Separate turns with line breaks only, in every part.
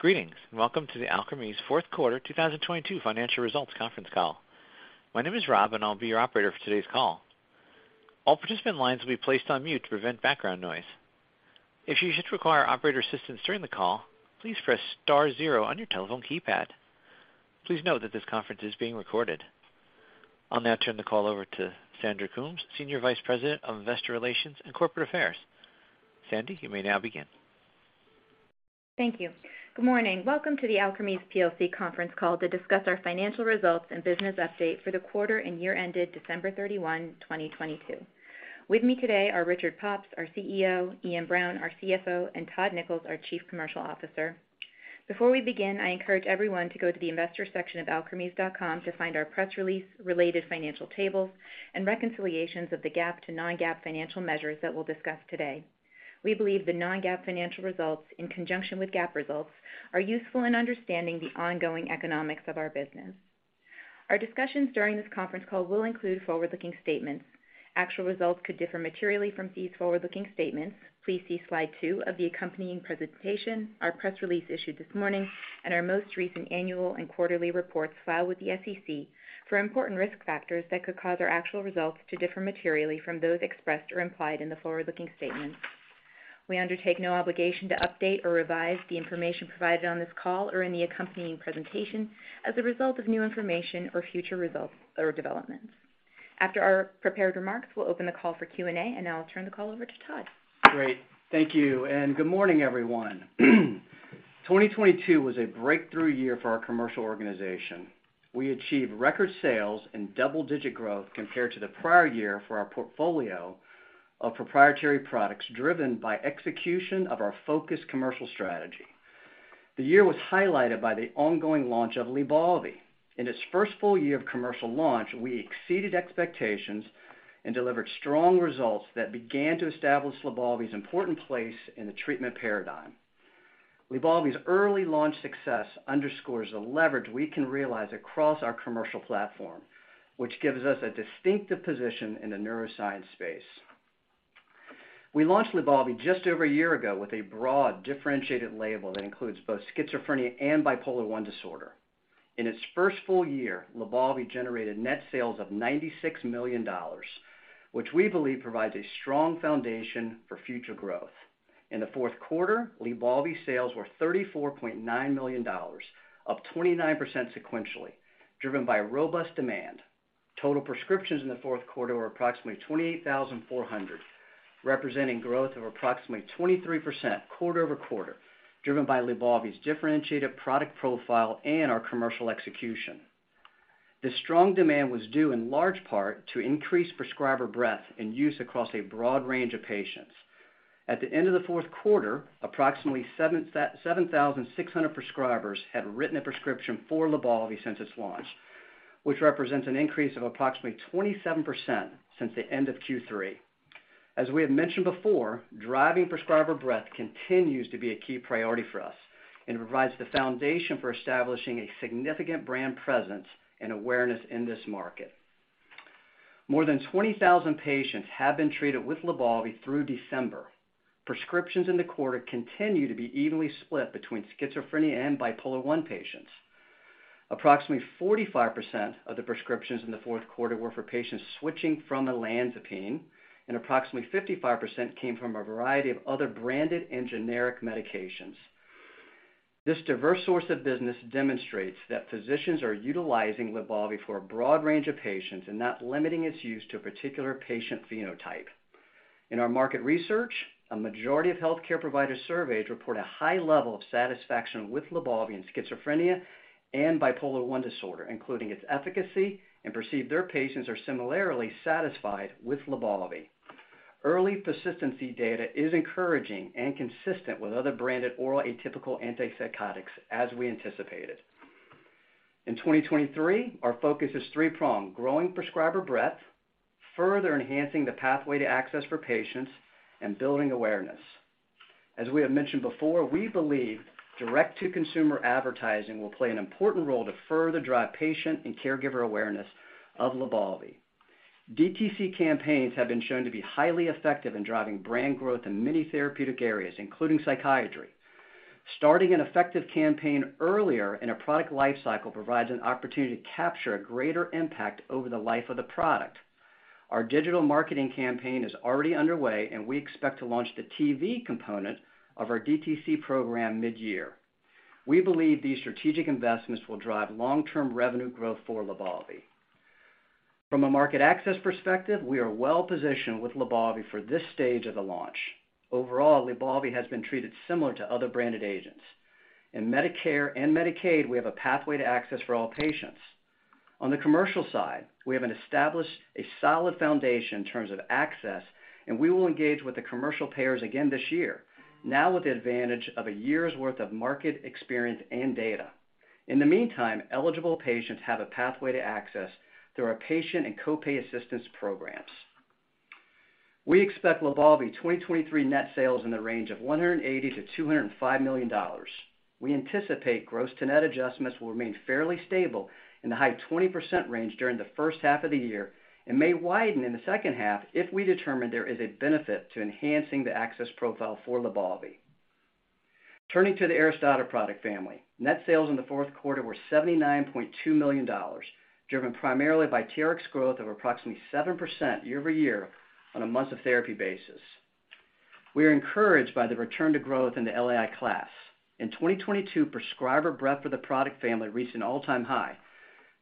Greetings, and welcome to the Alkermes’ fourth quarter 2022 financial results conference call. My name is Rob, and I'll be your operator for today's call. All participant lines will be placed on mute to prevent background noise. If you should require operator assistance during the call, please press star zero on your telephone keypad. Please note that this conference is being recorded. I'll now turn the call over to Sandra Coombs, Senior Vice President of Investor Relations and Corporate Affairs. Sandy, you may now begin.
Thank you. Good morning. Welcome to the Alkermes plc conference call to discuss our financial results and business update for the quarter and year ended December 31, 2022. With me today are Richard Pops, our CEO, Iain Brown, our CFO, and Todd Nichols, our Chief Commercial Officer. Before we begin, I encourage everyone to go to the investor section of alkermes.com to find our press release, related financial tables, and reconciliations of the GAAP to non-GAAP financial measures that we'll discuss today. We believe the non-GAAP financial results in conjunction with GAAP results are useful in understanding the ongoing economics of our business. Our discussions during this conference call will include forward-looking statements. Actual results could differ materially from these forward-looking statements. Please see slide 2 of the accompanying presentation, our press release issued this morning, and our most recent annual and quarterly reports filed with the SEC for important risk factors that could cause our actual results to differ materially from those expressed or implied in the forward-looking statements. We undertake no obligation to update or revise the information provided on this call or in the accompanying presentation as a result of new information or future results or developments. After our prepared remarks, we'll open the call for Q&A, and now I'll turn the call over to Todd.
Great. Thank you, and good morning, everyone. 2022 was a breakthrough year for our commercial organization. We achieved record sales and double-digit growth compared to the prior year for our portfolio of proprietary products driven by execution of our focused commercial strategy. The year was highlighted by the ongoing launch of LYBALVI. In its first full year of commercial launch, we exceeded expectations and delivered strong results that began to establish LYBALVI's important place in the treatment paradigm. LYBALVI's early launch success underscores the leverage we can realize across our commercial platform, which gives us a distinctive position in the neuroscience space. We launched LYBALVI just over a year ago with a broad differentiated label that includes both schizophrenia and bipolar I disorder. In its first full year, LYBALVI generated net sales of $96 million, which we believe provides a strong foundation for future growth. In the fourth quarter, LYBALVI sales were $34.9 million, up 29% sequentially, driven by robust demand. Total prescriptions in the fourth quarter were approximately 28,400, representing growth of approximately 23% quarter-over-quarter, driven by LYBALVI's differentiated product profile and our commercial execution. This strong demand was due in large part to increased prescriber breadth and use across a broad range of patients. At the end of the fourth quarter, approximately 7,600 prescribers had written a prescription for LYBALVI since its launch, which represents an increase of approximately 27% since the end of Q3. As we have mentioned before, driving prescriber breadth continues to be a key priority for us and provides the foundation for establishing a significant brand presence and awareness in this market. More than 20,000 patients have been treated with LYBALVI through December. Prescriptions in the quarter continue to be evenly split between schizophrenia and bipolar I patients. Approximately 45% of the prescriptions in the fourth quarter were for patients switching from olanzapine, and approximately 55% came from a variety of other branded and generic medications. This diverse source of business demonstrates that physicians are utilizing LYBALVI for a broad range of patients and not limiting its use to a particular patient phenotype. In our market research, a majority of healthcare providers surveyed report a high level of satisfaction with LYBALVI in schizophrenia and bipolar I disorder, including its efficacy and perceive that their patients are similarly satisfied with LYBALVI. Early persistency data is encouraging and consistent with other branded oral atypical antipsychotics, as we anticipated. In 2023, our focus is three-pronged: growing prescriber breadth, further enhancing the pathway to access for patients, and building awareness. As we have mentioned before, we believe direct-to-consumer advertising will play an important role to further drive patient and caregiver awareness of LYBALVI. DTC campaigns have been shown to be highly effective in driving brand growth in many therapeutic areas, including psychiatry. Starting an effective campaign earlier in a product lifecycle provides an opportunity to capture a greater impact over the life of the product. Our digital marketing campaign is already underway, and we expect to launch the TV component of our DTC program mid-year. We believe these strategic investments will drive long-term revenue growth for LYBALVI. From a market access perspective, we are well positioned with LYBALVI for this stage of the launch. Overall, LYBALVI has been treated similar to other branded agents. In Medicare and Medicaid, we have a pathway to access for all patients. On the commercial side, we have established a solid foundation in terms of access, and we will engage with the commercial payers again this year, now with the advantage of a year's worth of market experience and data. In the meantime, eligible patients have a pathway to access through our patient and co-pay assistance programs. We expect LYBALVI 2023 net sales in the range of $180 million–$205 million. We anticipate gross to net adjustments will remain fairly stable in the high 20% range during the first half of the year and may widen in the second half if we determine there is a benefit to enhancing the access profile for LYBALVI. Turning to the ARISTADA product family. Net sales in the fourth quarter were $79.2 million, driven primarily by TRX growth of approximately 7% year-over-year on a months of therapy basis. We are encouraged by the return to growth in the LAI class. In 2022, prescriber breadth for the product family reached an all-time high,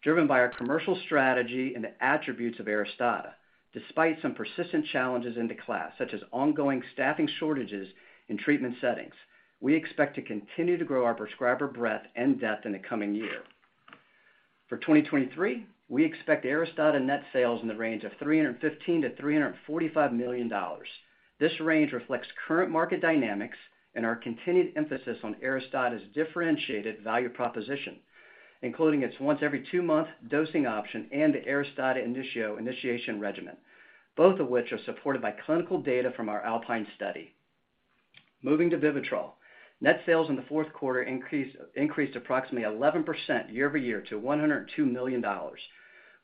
driven by our commercial strategy and the attributes of ARISTADA, despite some persistent challenges in the class, such as ongoing staffing shortages in treatment settings. We expect to continue to grow our prescriber breadth and depth in the coming year. For 2023, we expect ARISTADA net sales in the range of $380 million–$410 million. This range reflects current market dynamics and our continued emphasis on ARISTADA's differentiated value proposition, including its once every two-month dosing option and the ARISTADA INITIO initiation regimen, both of which are supported by clinical data from our ALPIN study. Moving to VIVITROL. Net sales in the fourth quarter increased approximately 11% year-over-year to $102 million.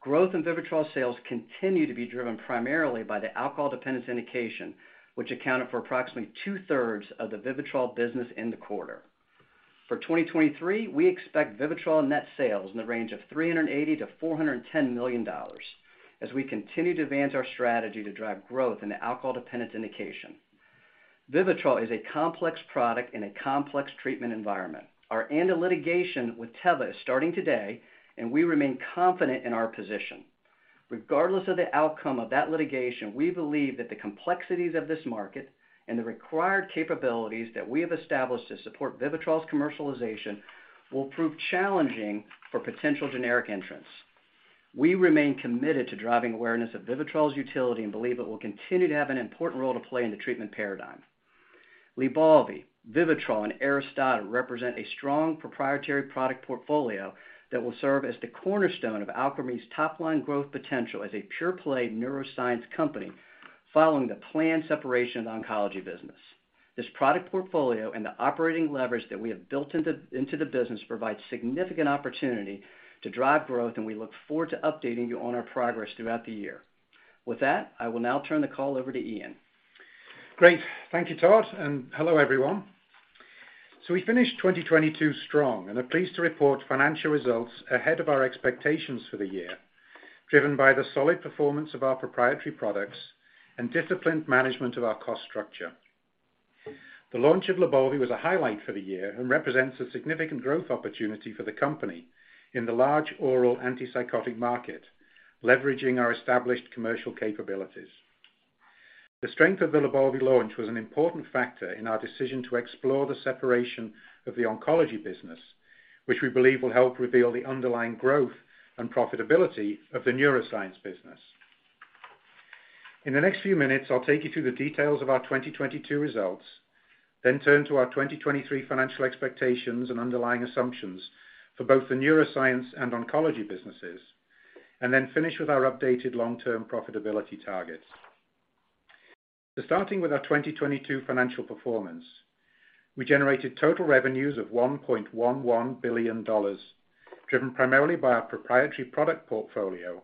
Growth in VIVITROL sales continues to be driven primarily by the alcohol dependence indication, which accounted for approximately two-thirds of the VIVITROL business in the quarter. For 2023, we expect VIVITROL net sales in the range of $380 million–$410 million as we continue to advance our strategy to drive growth in the alcohol dependence indication. VIVITROL is a complex product in a complex treatment environment. Our end of litigation with Teva is starting today. We remain confident in our position. Regardless of the outcome of that litigation, we believe that the complexities of this market and the required capabilities that we have established to support VIVITROL's commercialization will prove challenging for potential generic entrants. We remain committed to driving awareness of VIVITROL's utility and believe it will continue to have an important role to play in the treatment paradigm. LYBALVI, VIVITROL and ARISTADA represent a strong proprietary product portfolio that will serve as the cornerstone of Alkermes' top-line growth potential as a pure-play neuroscience company following the planned separation of the oncology business. This product portfolio and the operating leverage that we have built into the business provides significant opportunity to drive growth, and we look forward to updating you on our progress throughout the year. With that, I will now turn the call over to Iain.
Great. Thank you, Todd. Hello, everyone. We finished 2022 strong and are pleased to report financial results ahead of our expectations for the year, driven by the solid performance of our proprietary products and disciplined management of our cost structure. The launch of LYBALVI was a highlight for the year and represents a significant growth opportunity for the company in the large oral antipsychotic market, leveraging our established commercial capabilities. The strength of the LYBALVI launch was an important factor in our decision to explore the separation of the oncology business, which we believe will help reveal the underlying growth and profitability of the neuroscience business. In the next few minutes, I'll take you through the details of our 2022 results, then turn to our 2023 financial expectations and underlying assumptions for both the neuroscience and oncology businesses, and then finish with our updated long-term profitability targets. Starting with our 2022 financial performance, we generated total revenues of $1.11 billion, driven primarily by our proprietary product portfolio,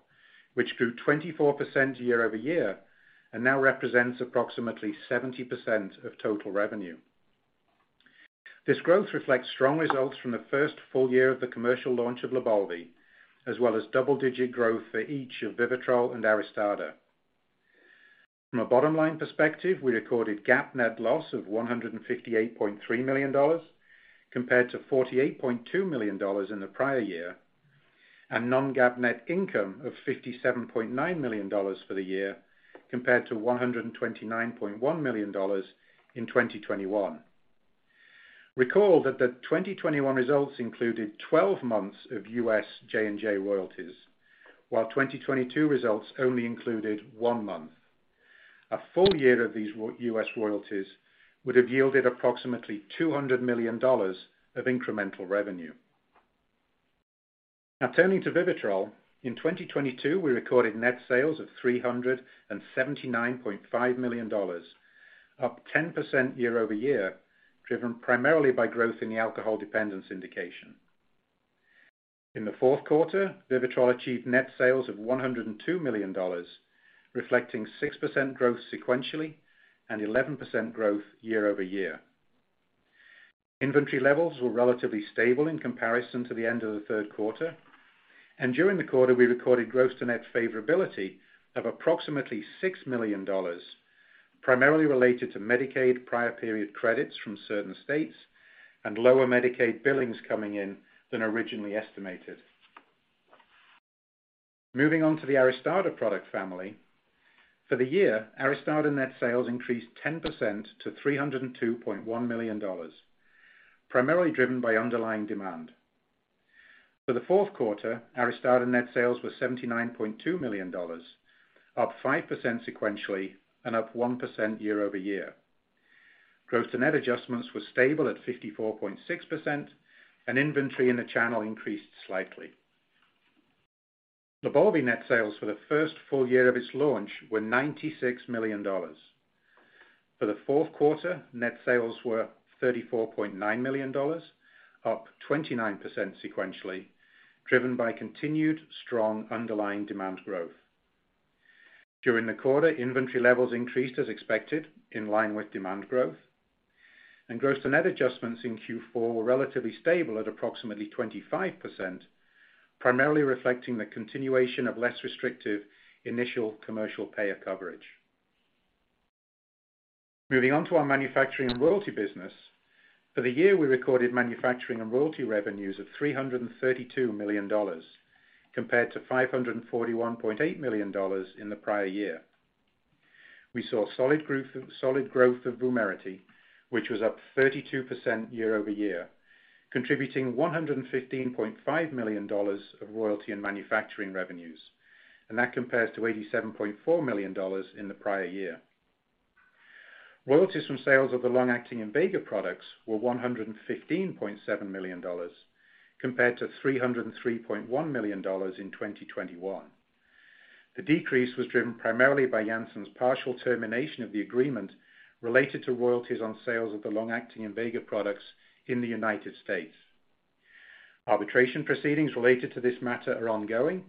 which grew 24% year-over-year and now represents approximately 70% of total revenue. This growth reflects strong results from the first full year of the commercial launch of LYBALVI, as well as double-digit growth for each of VIVITROL and ARISTADA. From a bottom line perspective, we recorded GAAP net loss of $158.3 million, compared to $48.2 million in the prior year, and non-GAAP net income of $57.9 million for the year, compared to $129.1 million in 2021. Recall that the 2021 results included 12 months of US J&J royalties, while 2022 results only included 1 month. A full year of these US royalties would have yielded approximately $200 million of incremental revenue. Now turning to VIVITROL, in 2022, we recorded net sales of $379.5 million, up 10% year-over-year, driven primarily by growth in the alcohol dependence indication. In the fourth quarter, VIVITROL achieved net sales of $102 million, reflecting 6% growth sequentially and 11% growth year-over-year. Inventory levels were relatively stable in comparison to the end of the third quarter. During the quarter, we recorded gross to net favorability of approximately $6 million, primarily related to Medicaid prior period credits from certain states and lower Medicaid billings coming in than originally estimated. Moving on to the ARISTADA product family. For the year, ARISTADA net sales increased 10% to $302.1 million, primarily driven by underlying demand. For the fourth quarter, ARISTADA net sales were $79.2 million, up 5% sequentially and up 1% year-over-year. Gross to net adjustments were stable at 54.6%. Inventory in the channel increased slightly. LYBALVI net sales for the first full year of its launch were $96 million. For the fourth quarter, net sales were $34.9 million, up 29% sequentially, driven by continued strong underlying demand growth. During the quarter, inventory levels increased as expected in line with demand growth, and gross to net adjustments in Q4 were relatively stable at approximately 25%, primarily reflecting the continuation of less restrictive initial commercial payer coverage. Moving on to our manufacturing and royalty business. For the year, we recorded manufacturing and royalty revenues of $332 million compared to $541.8 million in the prior year. We saw solid growth of VUMERITY, which was up 32% year-over-year, contributing $115.5 million of royalty and manufacturing revenues. That compares to $87.4 million in the prior year. Royalties from sales of the long-acting Invega products were $115.7 million compared to $303.1 million in 2021. The decrease was driven primarily by Janssen's partial termination of the agreement related to royalties on sales of the long-acting Invega products in the United States. Arbitration proceedings related to this matter are ongoing,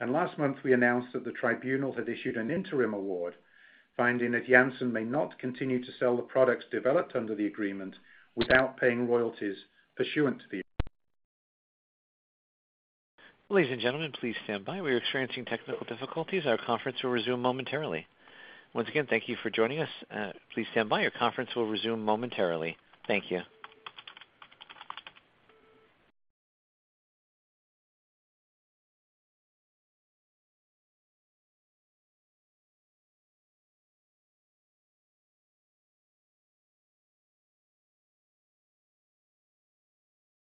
and last month we announced that the tribunal had issued an interim award finding that Janssen may not continue to sell the products developed under the agreement without paying royalties pursuant to.
Ladies and gentlemen, please stand by. We are experiencing technical difficulties. Our conference will resume momentarily. Once again, thank you for joining us. Please stand by. Your conference will resume momentarily. Thank you.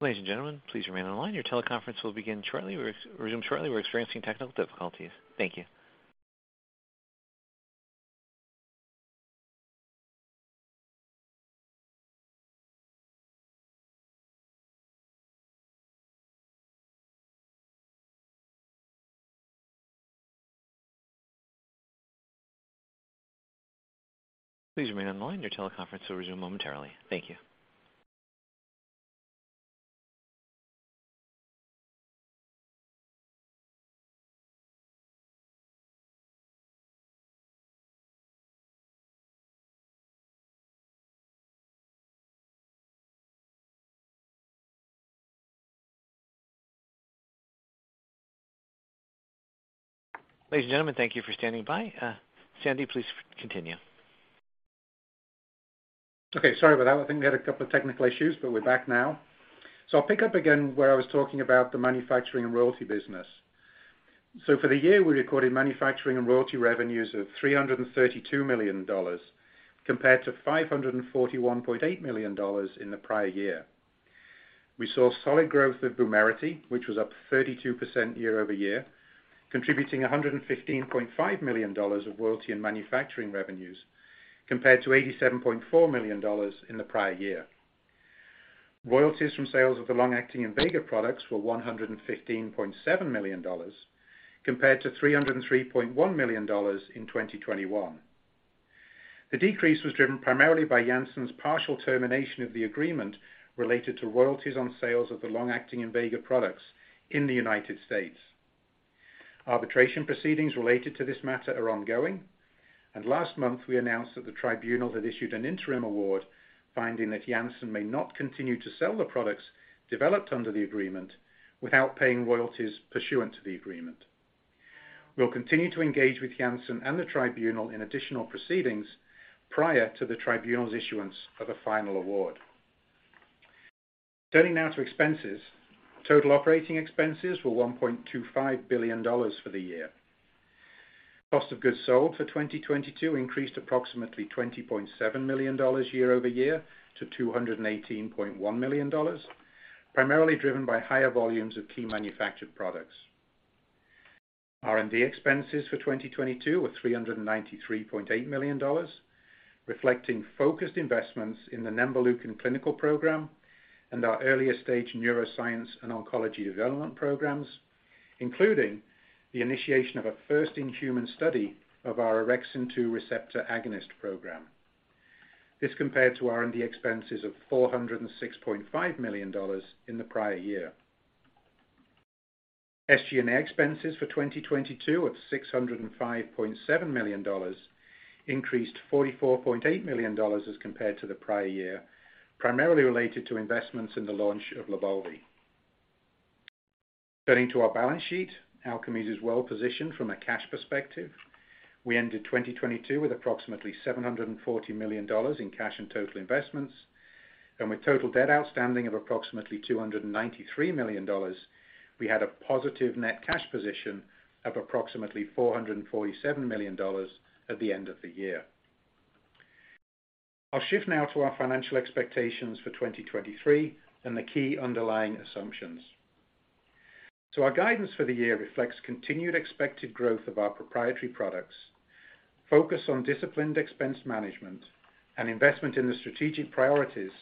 Ladies and gentlemen, please remain on the line. Your teleconference will begin shortly. We're experiencing technical difficulties. Thank you. Please remain on the line. Your teleconference will resume momentarily. Thank you. Ladies and gentlemen, thank you for standing by. Sandy, please continue.
Okay. Sorry about that. I think we had a couple of technical issues, but we're back now. I'll pick up again where I was talking about the manufacturing and royalty business. For the year, we recorded manufacturing and royalty revenues of $332 million compared to $541.8 million in the prior year. We saw solid growth of VUMERITY, which was up 32% year-over-year, contributing $115.5 million of royalty and manufacturing revenues compared to $87.4 million in the prior year. Royalties from sales of the long-acting Invega products were $115.7 million compared to $303.1 million in 2021. The decrease was driven primarily by Janssen's partial termination of the agreement related to royalties on sales of the long-acting Invega products in the United States. Arbitration proceedings related to this matter are ongoing, and last month we announced that the tribunal had issued an interim award finding that Janssen may not continue to sell the products developed under the agreement without paying royalties pursuant to the agreement. We'll continue to engage with Janssen and the tribunal in additional proceedings prior to the tribunal's issuance of a final award. Turning now to expenses. Total operating expenses were $1.25 billion for the year. Cost of goods sold for 2022 increased approximately $20.7 million year-over-year to $218.1 million, primarily driven by higher volumes of key manufactured products. R&D expenses for 2022 were $393.8 million, reflecting focused investments in the nemvaleukin clinical program and our earlier stage neuroscience and oncology development programs, including the initiation of a first-in-human study of our orexin 2 receptor agonist program. This compared to R&D expenses of $406.5 million in the prior year. SG&A expenses for 2022 of $605.7 million increased $44.8 million as compared to the prior year, primarily related to investments in the launch of LYBALVI. Turning to our balance sheet, Alkermes is well positioned from a cash perspective. We ended 2022 with approximately $740 million in cash and total investments, and with total debt outstanding of approximately $293 million, we had a positive net cash position of approximately $447 million at the end of the year. I'll shift now to our financial expectations for 2023 and the key underlying assumptions. Our guidance for the year reflects continued expected growth of our proprietary products, focus on disciplined expense management, and investment in the strategic priorities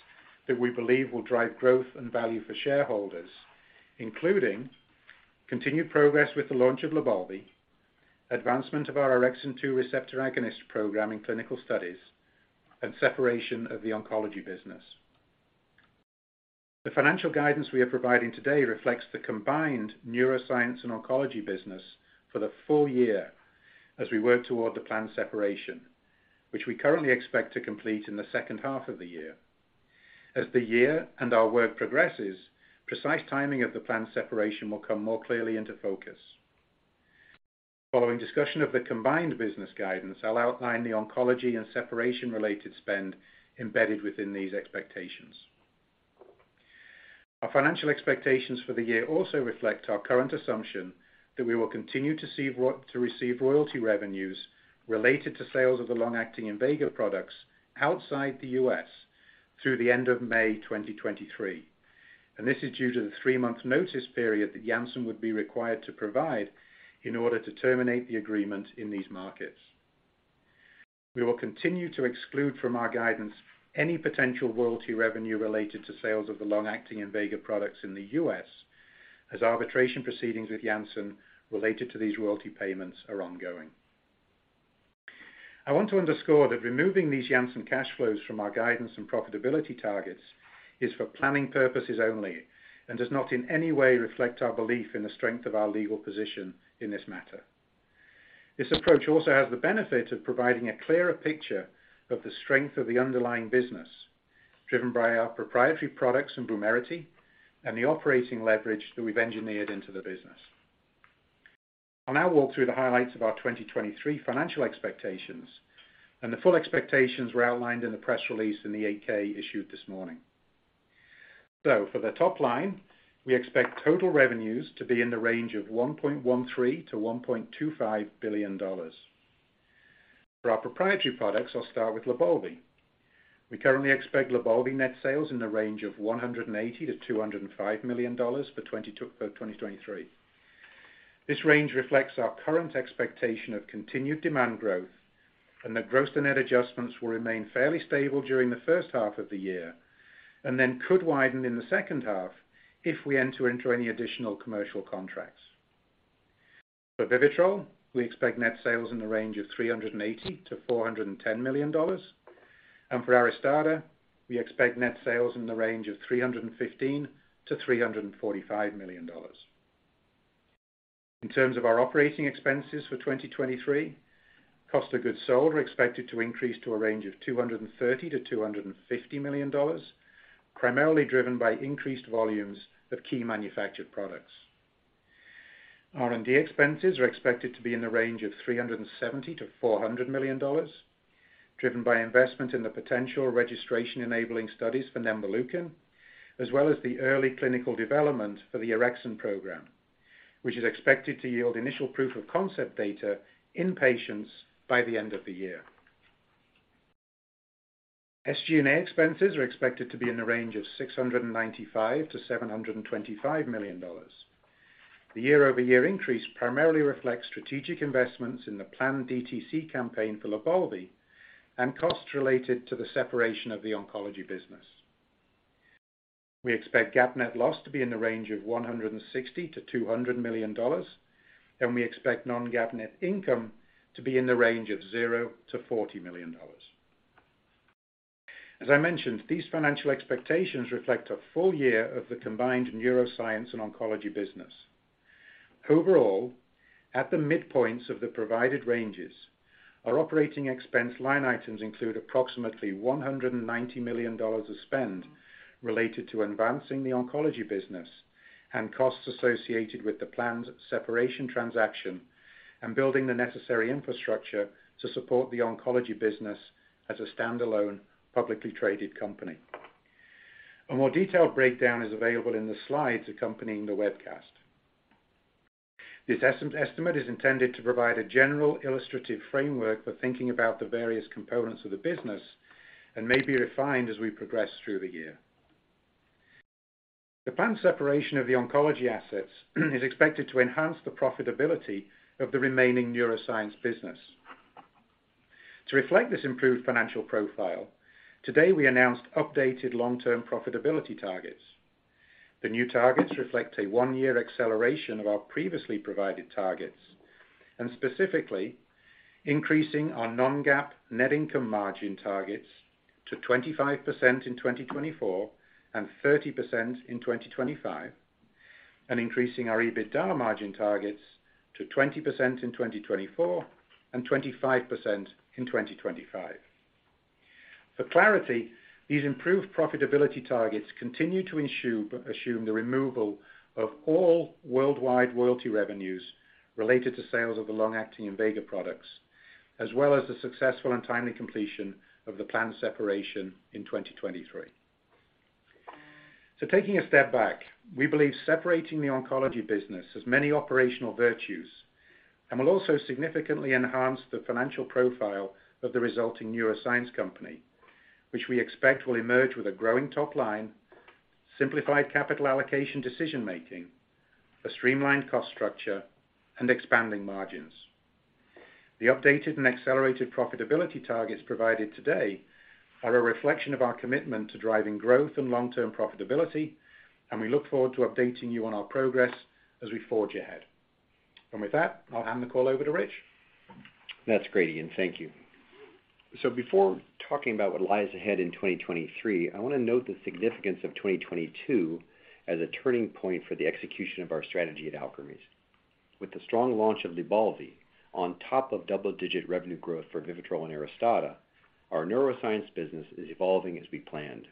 that we believe will drive growth and value for shareholders, including continued progress with the launch of LYBALVI, advancement of our orexin 2 receptor agonist program in clinical studies, and separation of the oncology business. The financial guidance we are providing today reflects the combined neuroscience and oncology business for the full year as we work toward the planned separation, which we currently expect to complete in the second half of the year. As the year and our work progresses, precise timing of the planned separation will come more clearly into focus. Following discussion of the combined business guidance, I'll outline the oncology and separation related spend embedded within these expectations. Our financial expectations for the year also reflect our current assumption that we will continue to receive royalty revenues related to sales of the long-acting Invega products outside the US through the end of May 2023. This is due to the three-month notice period that Janssen would be required to provide in order to terminate the agreement in these markets. We will continue to exclude from our guidance any potential royalty revenue related to sales of the long-acting Invega products in the US as arbitration proceedings with Janssen related to these royalty payments are ongoing. I want to underscore that removing these Janssen cash flows from our guidance and profitability targets is for planning purposes only and does not in any way reflect our belief in the strength of our legal position in this matter. This approach also has the benefit of providing a clearer picture of the strength of the underlying business, driven by our proprietary products in VUMERITY and the operating leverage that we've engineered into the business. I'll now walk through the highlights of our 2023 financial expectations. The full expectations were outlined in the press release in the 8-K issued this morning. For the top line, we expect total revenues to be in the range of $1.13 billion–$1.25 billion. For our proprietary products, I'll start with LYBALVI. We currently expect LYBALVI net sales in the range of $180 million–$205 million for 2023. This range reflects our current expectation of continued demand growth and that gross to net adjustments will remain fairly stable during the first half of the year and then could widen in the second half if we enter into any additional commercial contracts. For VIVITROL, we expect net sales in the range of $380 million–$410 million, and for ARISTADA, we expect net sales in the range of $315 million–$345 million. In terms of our operating expenses for 2023, cost of goods sold are expected to increase to a range of $230 million–$250 million, primarily driven by increased volumes of key manufactured products. R&D expenses are expected to be in the range of $370 million–$400 million, driven by investment in the potential registration enabling studies for nemvaleukin, as well as the early clinical development for the orexin program, which is expected to yield initial proof of concept data in patients by the end of the year. SG&A expenses are expected to be in the range of $695 million–$725 million. The year-over-year increase primarily reflects strategic investments in the planned DTC campaign for LYBALVI and costs related to the separation of the oncology business. We expect GAAP net loss to be in the range of $160 million–$200 million, and we expect non-GAAP net income to be in the range of $0–$40 million. As I mentioned, these financial expectations reflect a full year of the combined neuroscience and oncology business. At the midpoints of the provided ranges, our operating expense line items include approximately $190 million of spend related to advancing the oncology business and costs associated with the planned separation transaction and building the necessary infrastructure to support the oncology business as a standalone publicly traded company. A more detailed breakdown is available in the slides accompanying the webcast. This estimate is intended to provide a general illustrative framework for thinking about the various components of the business and may be refined as we progress through the year. The planned separation of the oncology assets is expected to enhance the profitability of the remaining neuroscience business. To reflect this improved financial profile, today we announced updated long-term profitability targets. The new targets reflect a one-year acceleration of our previously provided targets and specifically increasing our non-GAAP net income margin targets to 25% in 2024 and 30% in 2025, and increasing our EBITDA margin targets to 20% in 2024 and 25% in 2025. For clarity, these improved profitability targets continue to assume the removal of all worldwide royalty revenues related to sales of the long-acting Invega products, as well as the successful and timely completion of the planned separation in 2023. Taking a step back, we believe separating the oncology business has many operational virtues and will also significantly enhance the financial profile of the resulting neuroscience company, which we expect will emerge with a growing top line, simplified capital allocation decision making, a streamlined cost structure, and expanding margins. The updated and accelerated profitability targets provided today are a reflection of our commitment to driving growth and long-term profitability, and we look forward to updating you on our progress as we forge ahead. With that, I'll hand the call over to Rich.
That's great, Iain. Thank you. Before talking about what lies ahead in 2023, I wanna note the significance of 2022 as a turning point for the execution of our strategy at Alkermes. With the strong launch of LYBALVI on top of double-digit revenue growth for VIVITROL and ARISTADA, our neuroscience business is evolving as we planned.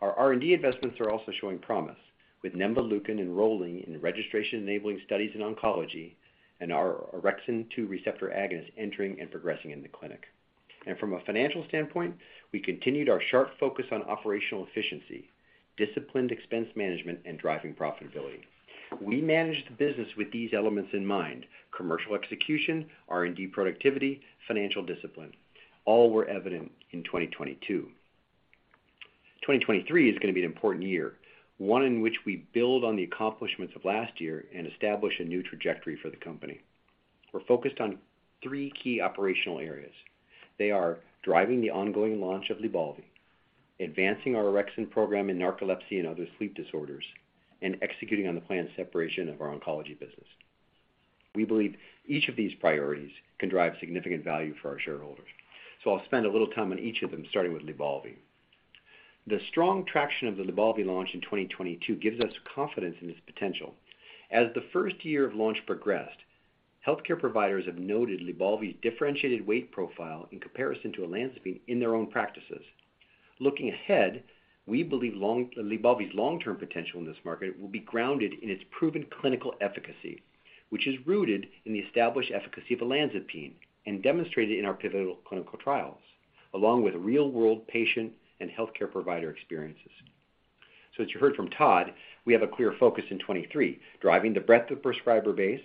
Our R&D investments are also showing promise, with nemvaleukin enrolling in registration-enabling studies in oncology and our orexin 2 receptor agonist entering and progressing in the clinic. From a financial standpoint, we continued our sharp focus on operational efficiency, disciplined expense management, and driving profitability. We managed the business with these elements in mind: commercial execution, R&D productivity, financial discipline. All were evident in 2022. 2023 is gonna be an important year, one in which we build on the accomplishments of last year and establish a new trajectory for the company. We're focused on three key operational areas. They are driving the ongoing launch of LYBALVI, advancing our orexin program in narcolepsy and other sleep disorders, and executing on the planned separation of our oncology business. I'll spend a little time on each of them, starting with LYBALVI. The strong traction of the LYBALVI launch in 2022 gives us confidence in its potential. As the first year of launch progressed, healthcare providers have noted LYBALVI's differentiated weight profile in comparison to olanzapine in their own practices. Looking ahead, we believe LYBALVI's long-term potential in this market will be grounded in its proven clinical efficacy, which is rooted in the established efficacy of olanzapine and demonstrated in our pivotal clinical trials, along with real-world patient and healthcare provider experiences. As you heard from Todd, we have a clear focus in 23, driving the breadth of prescriber base,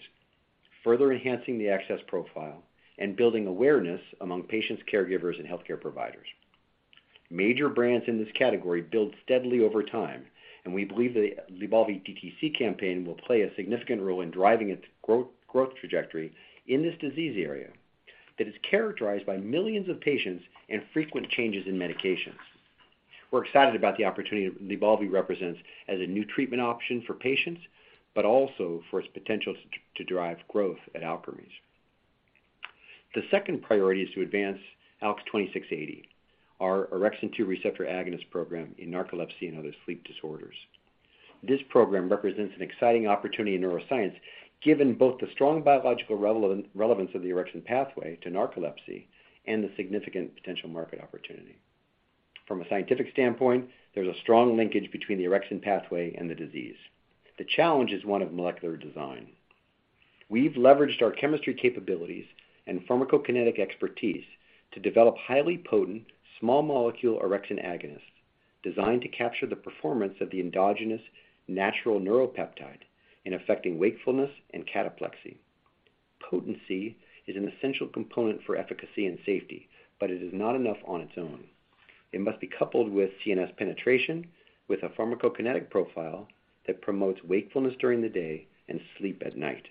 further enhancing the access profile, and building awareness among patients, caregivers, and healthcare providers. Major brands in this category build steadily over time, and we believe the LYBALVI DTC campaign will play a significant role in driving its growth trajectory in this disease area that is characterized by millions of patients and frequent changes in medications. We're excited about the opportunity LYBALVI represents as a new treatment option for patients, but also for its potential to drive growth at Alkermes. The second priority is to advance ALKS 2680, our orexin 2 receptor agonist program in narcolepsy and other sleep disorders. This program represents an exciting opportunity in neuroscience, given both the strong biological relevance of the orexin pathway to narcolepsy and the significant potential market opportunity. From a scientific standpoint, there's a strong linkage between the orexin pathway and the disease. The challenge is one of molecular design. We've leveraged our chemistry capabilities and pharmacokinetic expertise to develop highly potent small molecule orexin agonists designed to capture the performance of the endogenous natural neuropeptide in affecting wakefulness and cataplexy. Potency is an essential component for efficacy and safety, but it is not enough on its own. It must be coupled with CNS penetration with a pharmacokinetic profile that promotes wakefulness during the day and sleep at night.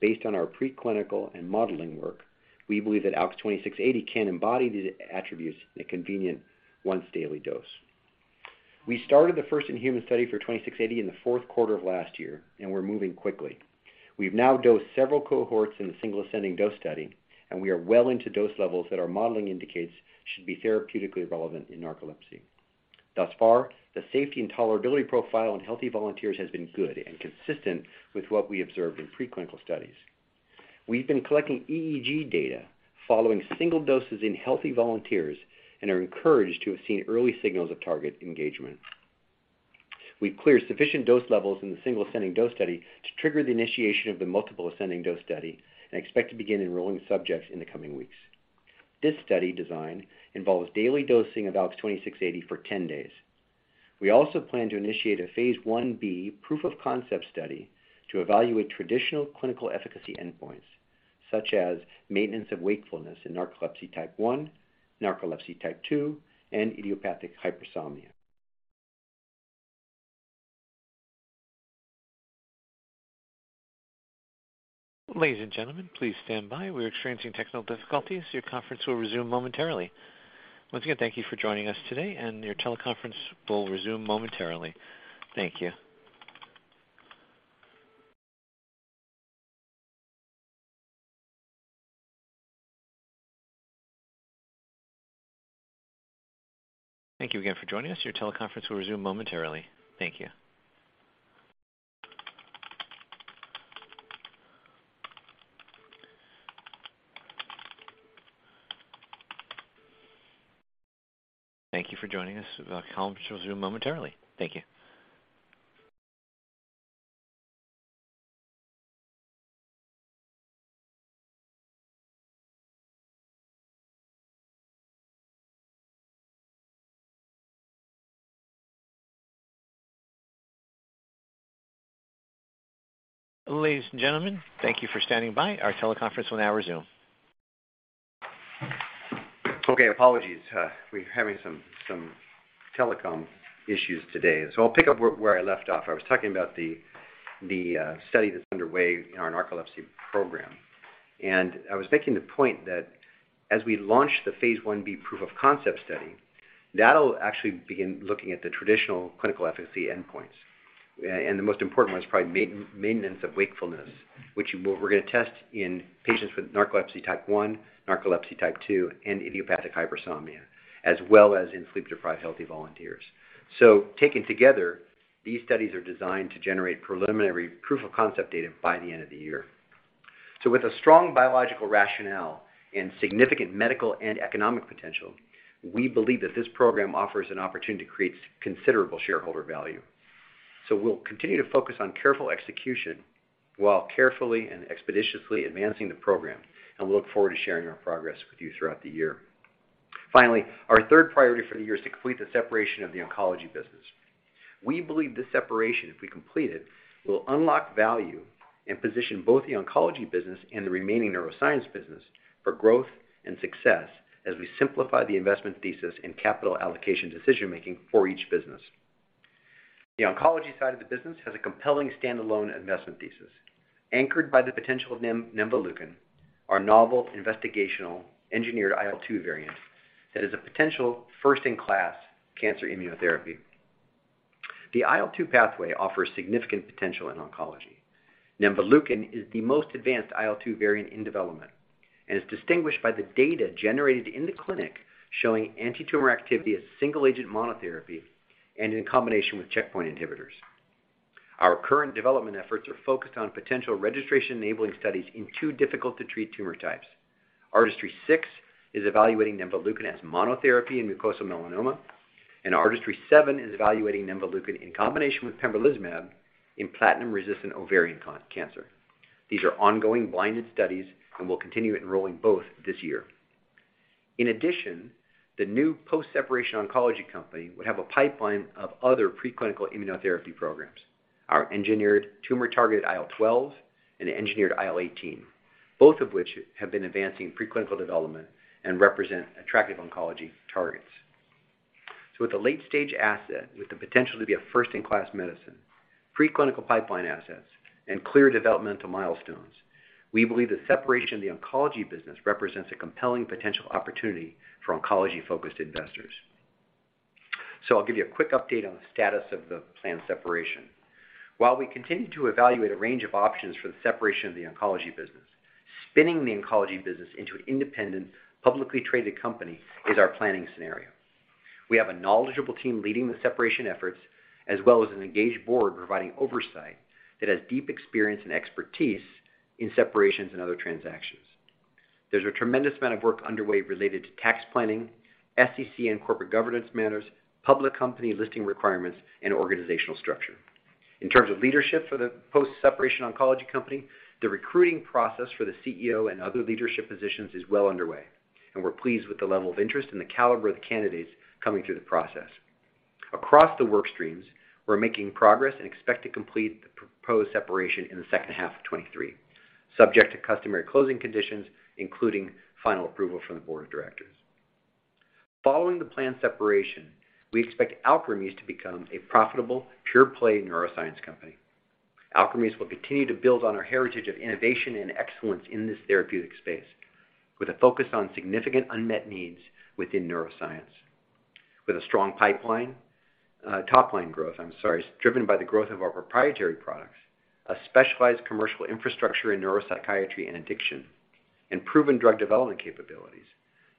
Based on our preclinical and modeling work, we believe that ALKS 2680 can embody these attributes in a convenient once-daily dose. We started the first-in-human study for 2680 in the fourth quarter of last year. We're moving quickly. We've now dosed several cohorts in the single ascending dose study. We are well into dose levels that our modeling indicates should be therapeutically relevant in narcolepsy. Thus far, the safety and tolerability profile in healthy volunteers has been good and consistent with what we observed in preclinical studies. We've been collecting EEG data following single doses in healthy volunteers. Are encouraged to have seen early signals of target engagement. We've cleared sufficient dose levels in the single ascending dose study to trigger the initiation of the multiple ascending dose study. Expect to begin enrolling subjects in the coming weeks. This study design involves daily dosing of ALKS 2680 for 10 days. We also plan to initiate a Phase 1b proof-of-concept study to evaluate traditional clinical efficacy endpoints, such as maintenance of wakefulness in narcolepsy type 1, narcolepsy type 2, and idiopathic hypersomnia.
Ladies and gentlemen, please stand by. We're experiencing technical difficulties. Your conference will resume momentarily. Once again, thank you for joining us today, and your teleconference will resume momentarily. Thank you. Thank you again for joining us. Your teleconference will resume momentarily. Thank you. Thank you for joining us. The call will resume momentarily. Thank you. Ladies and gentlemen, thank you for standing by. Our teleconference will now resume.
Okay, apologies. We're having some telecom issues today. I'll pick up where I left off. I was talking about the study that's underway in our narcolepsy program. I was making the point that as we launch the Phase 1b proof-of-concept study that'll actually begin looking at the traditional clinical efficacy endpoints. And the most important one is probably Maintenance of Wakefulness, which we're gonna test in patients with narcolepsy type 1, narcolepsy type 2, and idiopathic hypersomnia, as well as in sleep-deprived healthy volunteers. Taken together, these studies are designed to generate preliminary proof of concept data by the end of the year. With a strong biological rationale and significant medical and economic potential, we believe that this program offers an opportunity to create considerable shareholder value. We'll continue to focus on careful execution while carefully and expeditiously advancing the program, and we look forward to sharing our progress with you throughout the year. Finally, our third priority for the year is to complete the separation of the oncology business. We believe this separation, if we complete it, will unlock value and position both the oncology business and the remaining neuroscience business for growth and success as we simplify the investment thesis and capital allocation decision-making for each business. The oncology side of the business has a compelling standalone investment thesis anchored by the potential of nemvaleukin, our novel investigational engineered IL-2 variant that is a potential first-in-class cancer immunotherapy. The IL-2 pathway offers significant potential in oncology. nemvaleukin is the most advanced IL-2 variant in development and is distinguished by the data generated in the clinic showing antitumor activity as single-agent monotherapy and in combination with checkpoint inhibitors. Our current development efforts are focused on potential registration-enabling studies in two difficult to treat tumor types. ARTISTRY-6 is evaluating nemvaleukin as monotherapy in mucosal melanoma, and ARTISTRY-7 is evaluating nemvaleukin in combination with pembrolizumab in platinum-resistant ovarian cancer. These are ongoing blinded studies, and we'll continue enrolling both this year. The new post-separation oncology company would have a pipeline of other preclinical immunotherapy programs, our engineered tumor-targeted IL-12 and engineered IL-18, both of which have been advancing preclinical development and represent attractive oncology targets. With a late-stage asset with the potential to be a first-in-class medicine, preclinical pipeline assets, and clear developmental milestones, we believe the separation of the oncology business represents a compelling potential opportunity for oncology-focused investors. I'll give you a quick update on the status of the planned separation. While we continue to evaluate a range of options for the separation of the oncology business, spinning the oncology business into an independent, publicly traded company is our planning scenario. We have a knowledgeable team leading the separation efforts as well as an engaged board providing oversight that has deep experience and expertise in separations and other transactions. There's a tremendous amount of work underway related to tax planning, SEC and corporate governance matters, public company listing requirements, and organizational structure. In terms of leadership for the post-separation oncology company, the recruiting process for the CEO and other leadership positions is well underway, and we're pleased with the level of interest and the caliber of the candidates coming through the process. Across the work streams, we're making progress and expect to complete the proposed separation in the second half of 23, subject to customary closing conditions, including final approval from the board of directors. Following the planned separation, we expect Alkermes to become a profitable pure-play neuroscience company. Alkermes will continue to build on our heritage of innovation and excellence in this therapeutic space with a focus on significant unmet needs within neuroscience. With a strong top line growth, I'm sorry, driven by the growth of our proprietary products, a specialized commercial infrastructure in neuropsychiatry and addiction, and proven drug development capabilities,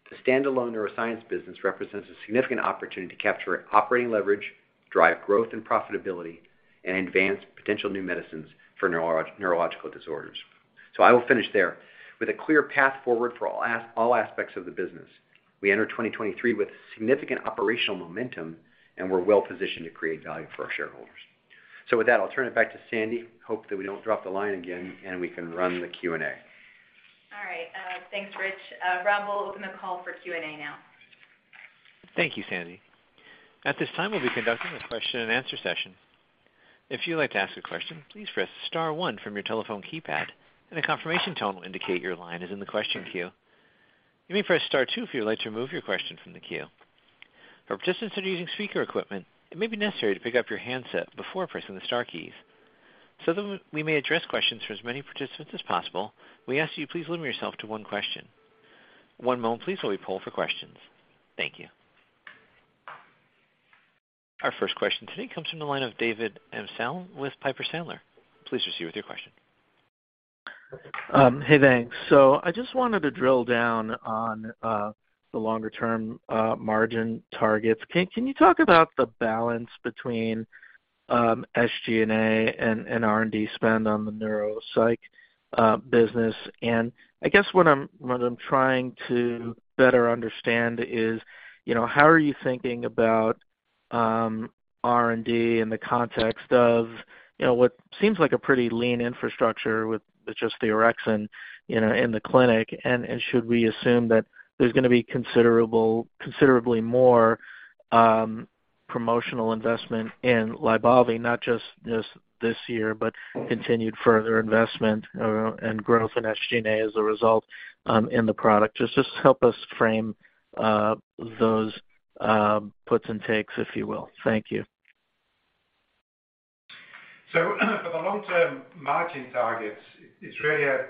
the standalone neuroscience business represents a significant opportunity to capture operating leverage, drive growth and profitability, and advance potential new medicines for neurological disorders. I will finish there. With a clear path forward for all aspects of the business, we enter 2023 with significant operational momentum, and we're well positioned to create value for our shareholders. With that, I'll turn it back to Sandy. Hope that we don't drop the line again, and we can run the Q&A.
All right. Thanks, Rich. Rob will open the call for Q&A now.
Thank you, Sandy. At this time, we'll be conducting a question and answer session. If you'd like to ask a question, please press star one from your telephone keypad, and a confirmation tone will indicate your line is in the question queue. You may press star two if you would like to remove your question from the queue. For participants that are using speaker equipment, it may be necessary to pick up your handset before pressing the star keys. That we may address questions for as many participants as possible, we ask you please limit yourself to one question. One moment please while we poll for questions. Thank you. Our first question today comes from the line of David Amsellem with Piper Sandler. Please proceed with your question.
Hey, thanks. So I just wanted to drill down on the longer-term margin targets. Can you talk about the balance between SG&A and R&D spend on the neuropsych business? I guess what I'm trying to better understand is, you know, how are you thinking about R&D in the context of, you know, what seems like a pretty lean infrastructure with just the orexin, you know, in the clinic? Should we assume that there's gonna be considerably more promotional investment in LYBALVI, not just this year, but continued further investment and growth in SG&A as a result in the product? Just help us frame those puts and takes, if you will. Thank you.
Long-term margin targets is really a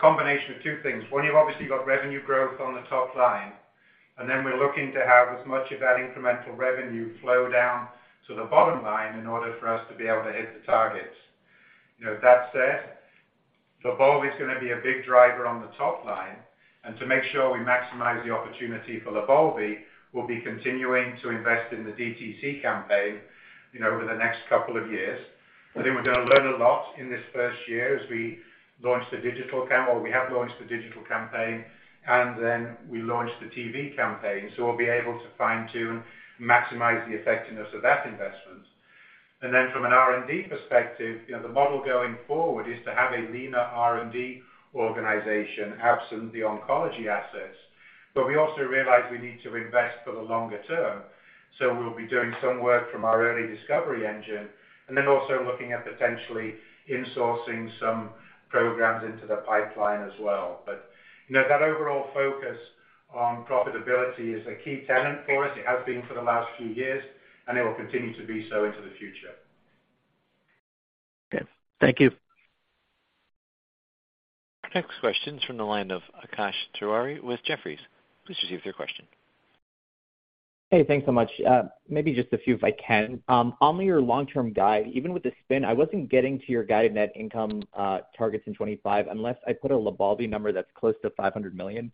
combination of 2 things. One, you've obviously got revenue growth on the top line, and then we're looking to have as much of that incremental revenue flow down to the bottom line in order for us to be able to hit the targets. You know, that said, LYBALVI is gonna be a big driver on the top line. To make sure we maximize the opportunity for LYBALVI, we'll be continuing to invest in the DTC campaign, you know, over the next 2 years. I think we're gonna learn a lot in this 1st year as we have launched the digital campaign, and then we launch the TV campaign. We'll be able to fine-tune, maximize the effectiveness of that investment. From an R&D perspective, you know, the model going forward is to have a leaner R&D organization, absent the oncology assets. We also realize we need to invest for the longer term. We'll be doing some work from our early discovery engine, and then also looking at potentially insourcing some programs into the pipeline as well. You know, that overall focus on profitability is a key tenet for us. It has been for the last few years, and it will continue to be so into the future.
Okay. Thank you.
Next question is from the line of Akash Tewari with Jefferies. Please proceed with your question.
Hey, thanks so much. Maybe just a few if I can. On your long-term guide, even with the spin, I wasn't getting to your guided net income targets in 2025, unless I put a LYBALVI number that's close to $500 million.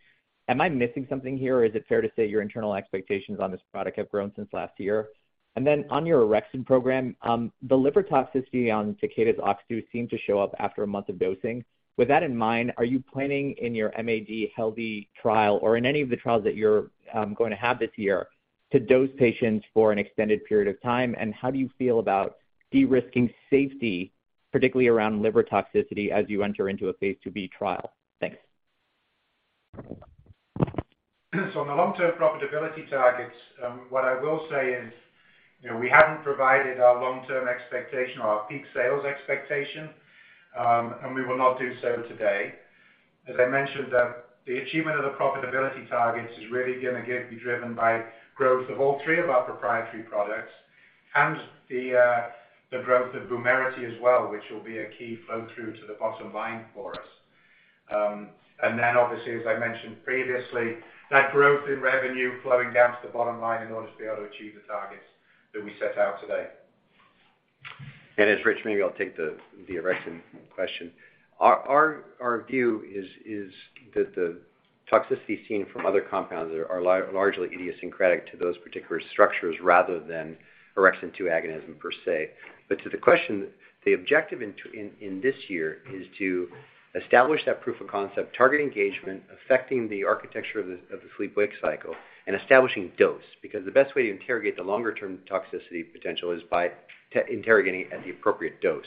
Am I missing something here, or is it fair to say your internal expectations on this product have grown since last year? On your orexin program, the liver toxicity on Takeda's OX2 seemed to show up after a month of dosing. With that in mind, are you planning in your MAD healthy trial or in any of the trials that you're going to have this year to dose patients for an extended period of time? How do you feel about de-risking safety, particularly around liver toxicity as you enter into a phase IIb trial? Thanks.
On the long-term profitability targets, what I will say is, you know, we haven't provided our long-term expectation or our peak sales expectation, and we will not do so today. As I mentioned, the achievement of the profitability targets is really be driven by growth of all three of our proprietary products and the growth of VUMERITY as well, which will be a key flow-through to the bottom line for us. Obviously, as I mentioned previously, that growth in revenue flowing down to the bottom line in order to be able to achieve the targets that we set out today.
As Rich, maybe I'll take the orexin question. Our view is that the toxicity seen from other compounds are largely idiosyncratic to those particular structures rather than orexin 2 agonism per se. To the question, the objective in this year is to establish that proof of concept, target engagement, affecting the architecture of the sleep-wake cycle, and establishing dose. The best way to interrogate the longer term toxicity potential is by interrogating at the appropriate dose.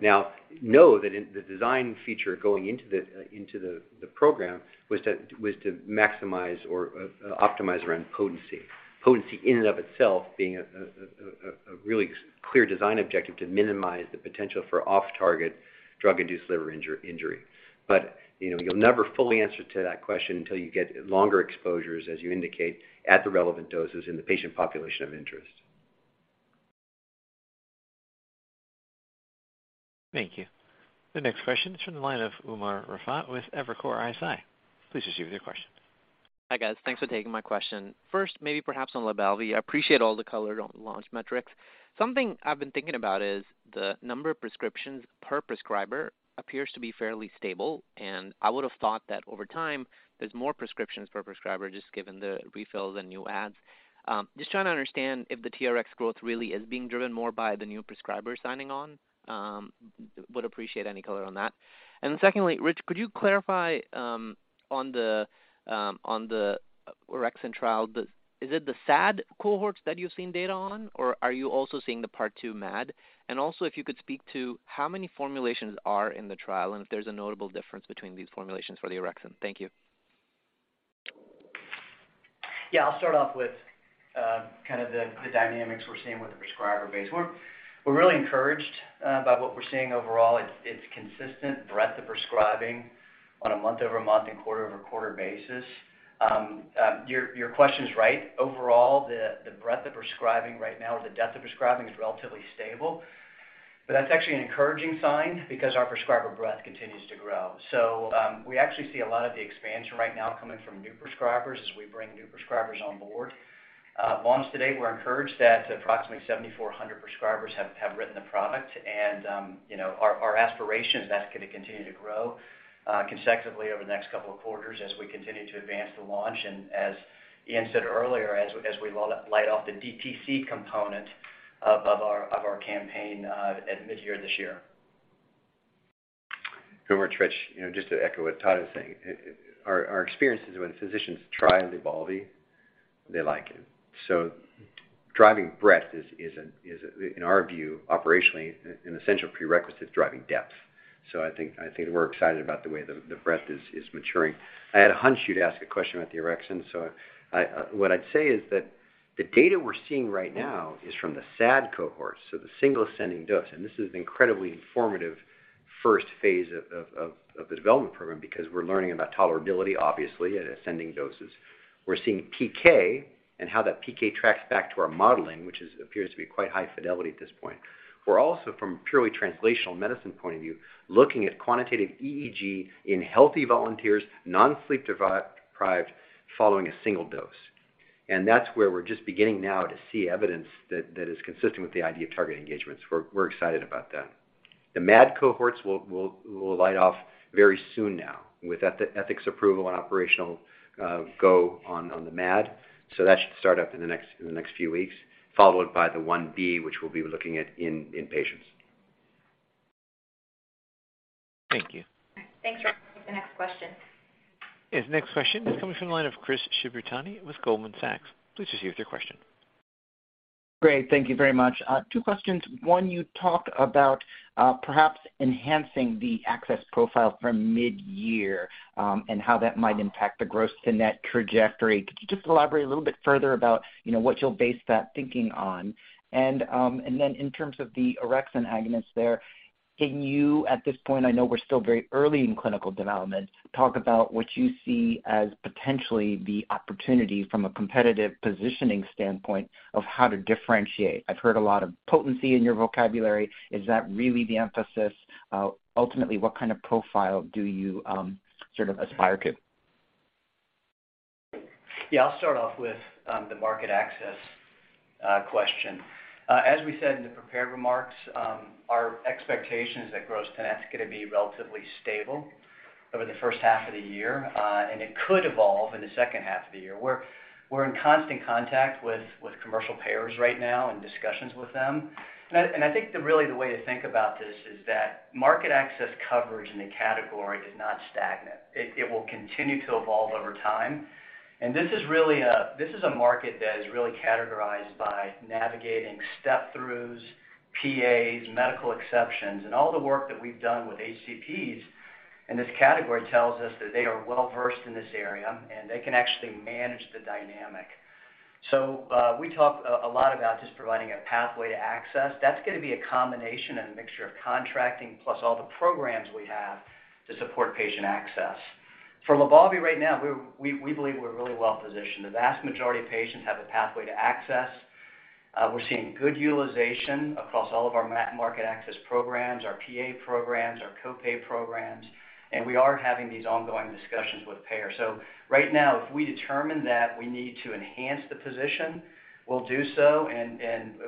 Now, know that in the design feature going into the program was to maximize or optimize around potency. Potency in and of itself being a really clear design objective to minimize the potential for off-target drug-induced liver injury. You know, you'll never fully answer to that question until you get longer exposures, as you indicate, at the relevant doses in the patient population of interest.
Thank you. The next question is from the line of Umer Raffat with Evercore ISI. Please proceed with your question.
Hi, guys. Thanks for taking my question. First, maybe perhaps on LYBALVI. I appreciate all the color on launch metrics. Something I've been thinking about is the number of prescriptions per prescriber appears to be fairly stable, and I would have thought that over time, there's more prescriptions per prescriber just given the refills and new adds. Just trying to understand if the TRX growth really is being driven more by the new prescribers signing on. Would appreciate any color on that. Secondly, Rich, could you clarify on the orexin trial? Is it the SAD cohorts that you've seen data on, or are you also seeing the Part II MAD? Also, if you could speak to how many formulations are in the trial and if there's a notable difference between these formulations for the orexin. Thank you.
Yeah, I'll start off with kind of the dynamics we're seeing with the prescriber base. We're really encouraged by what we're seeing overall. It's consistent breadth of prescribing on a month-over-month and quarter-over-quarter basis. Your question is right. Overall, the breadth of prescribing right now, the depth of prescribing is relatively stable. That's actually an encouraging sign because our prescriber breadth continues to grow. We actually see a lot of the expansion right now coming from new prescribers as we bring new prescribers on board. Launch to date, we're encouraged that approximately 7,400 prescribers have written the product and, you know, our aspiration is that's gonna continue to grow consecutively over the next couple of quarters as we continue to advance the launch and as Iain said earlier, as we light off the DTC component of our campaign at mid-year this year.
Over to Rich. You know, just to echo what Todd is saying. Our experience is when physicians try LYBALVI, they like it. Driving breadth is, in our view, operationally an essential prerequisite to driving depth. I think we're excited about the way the breadth is maturing. I had a hunch you'd ask a question about the orexin. What I'd say is that the data we're seeing right now is from the SAD cohort, the single ascending dose. This is incredibly informative. First phase of the development program because we're learning about tolerability, obviously, at ascending doses. We're seeing PK and how that PK tracks back to our modeling, which appears to be quite high fidelity at this point. We're also, from purely translational medicine point of view, looking at quantitative EEG in healthy volunteers, non-sleep deprived, following a single dose. That's where we're just beginning now to see evidence that is consistent with the idea of target engagements. We're excited about that. The MAD cohorts will light off very soon now with ethics approval and operational go on the MAD. That should start up in the next few weeks, followed by the Phase 1b, which we'll be looking at in patients.
Thank you.
Thanks. The next question.
Yes, next question is coming from the line of Chris Shibutani with Goldman Sachs. Please proceed with your question.
Great. Thank you very much. Two questions. One, you talked about, perhaps enhancing the access profile for midyear, and how that might impact the gross to net trajectory. Could you just elaborate a little bit further about, you know, what you'll base that thinking on? In terms of the orexin agonists there, can you at this point, I know we're still very early in clinical development, talk about what you see as potentially the opportunity from a competitive positioning standpoint of how to differentiate? I've heard a lot of potency in your vocabulary. Is that really the emphasis? Ultimately, what kind of profile do you, sort of aspire to?
Yeah, I'll start off with the market access question. As we said in the prepared remarks, our expectation is that gross to net is gonna be relatively stable over the first half of the year, and it could evolve in the second half of the year. We're in constant contact with commercial payers right now in discussions with them. I think the really the way to think about this is that market access coverage in the category is not stagnant. It will continue to evolve over time. This is really a market that is really categorized by navigating step-throughs, PAs, medical exceptions, and all the work that we've done with HCPs, and this category tells us that they are well-versed in this area, and they can actually manage the dynamic. We talk a lot about just providing a pathway to access. That's gonna be a combination and a mixture of contracting plus all the programs we have to support patient access. For LYBALVI right now, we believe we're really well-positioned. The vast majority of patients have a pathway to access. We're seeing good utilization across all of our market access programs, our PA programs, our copay programs, and we are having these ongoing discussions with payers. Right now, if we determine that we need to enhance the position, we'll do so and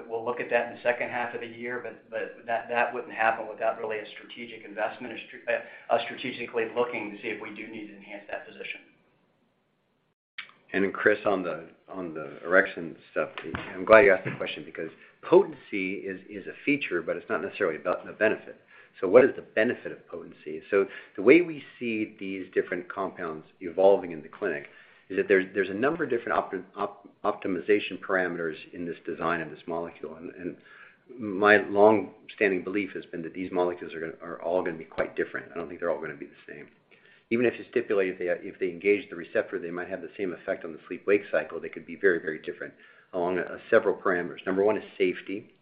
we'll look at that in the second half of the year, but that wouldn't happen without really a strategic investment or us strategically looking to see if we do need to enhance that position.
Chris, on the orexin stuff, I'm glad you asked the question because potency is a feature, but it's not necessarily about the benefit. What is the benefit of potency? The way we see these different compounds evolving in the clinic is that there's a number of different optimization parameters in this design of this molecule. My longstanding belief has been that these molecules are all gonna be quite different. I don't think they're all gonna be the same. Even if you stipulate if they engage the receptor, they might have the same effect on the sleep-wake cycle, they could be very, very different along several parameters. Number one is safety.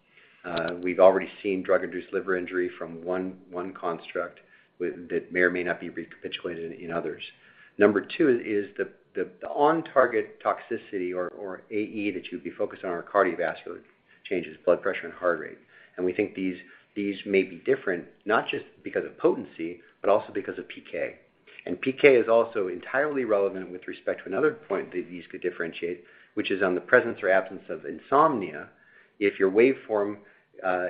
We've already seen drug-induced liver injury from one construct that may or may not be recapitulated in others. Number two is the on-target toxicity or AE that you'd be focused on are cardiovascular changes, blood pressure and heart rate. We think these may be different not just because of potency, but also because of PK. PK is also entirely relevant with respect to another point that these could differentiate, which is on the presence or absence of insomnia if your waveform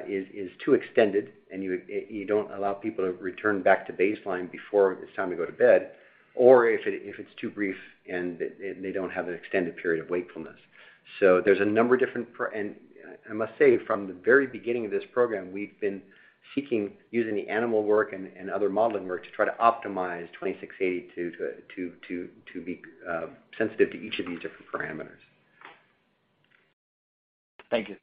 is too extended and you don't allow people to return back to baseline before it's time to go to bed or if it's too brief and they don't have an extended period of wakefulness. There's a number of different And I must say, from the very beginning of this program, we've been seeking using the animal work and other modeling work to try to optimize 2680 to be sensitive to each of these different parameters.
Thank you.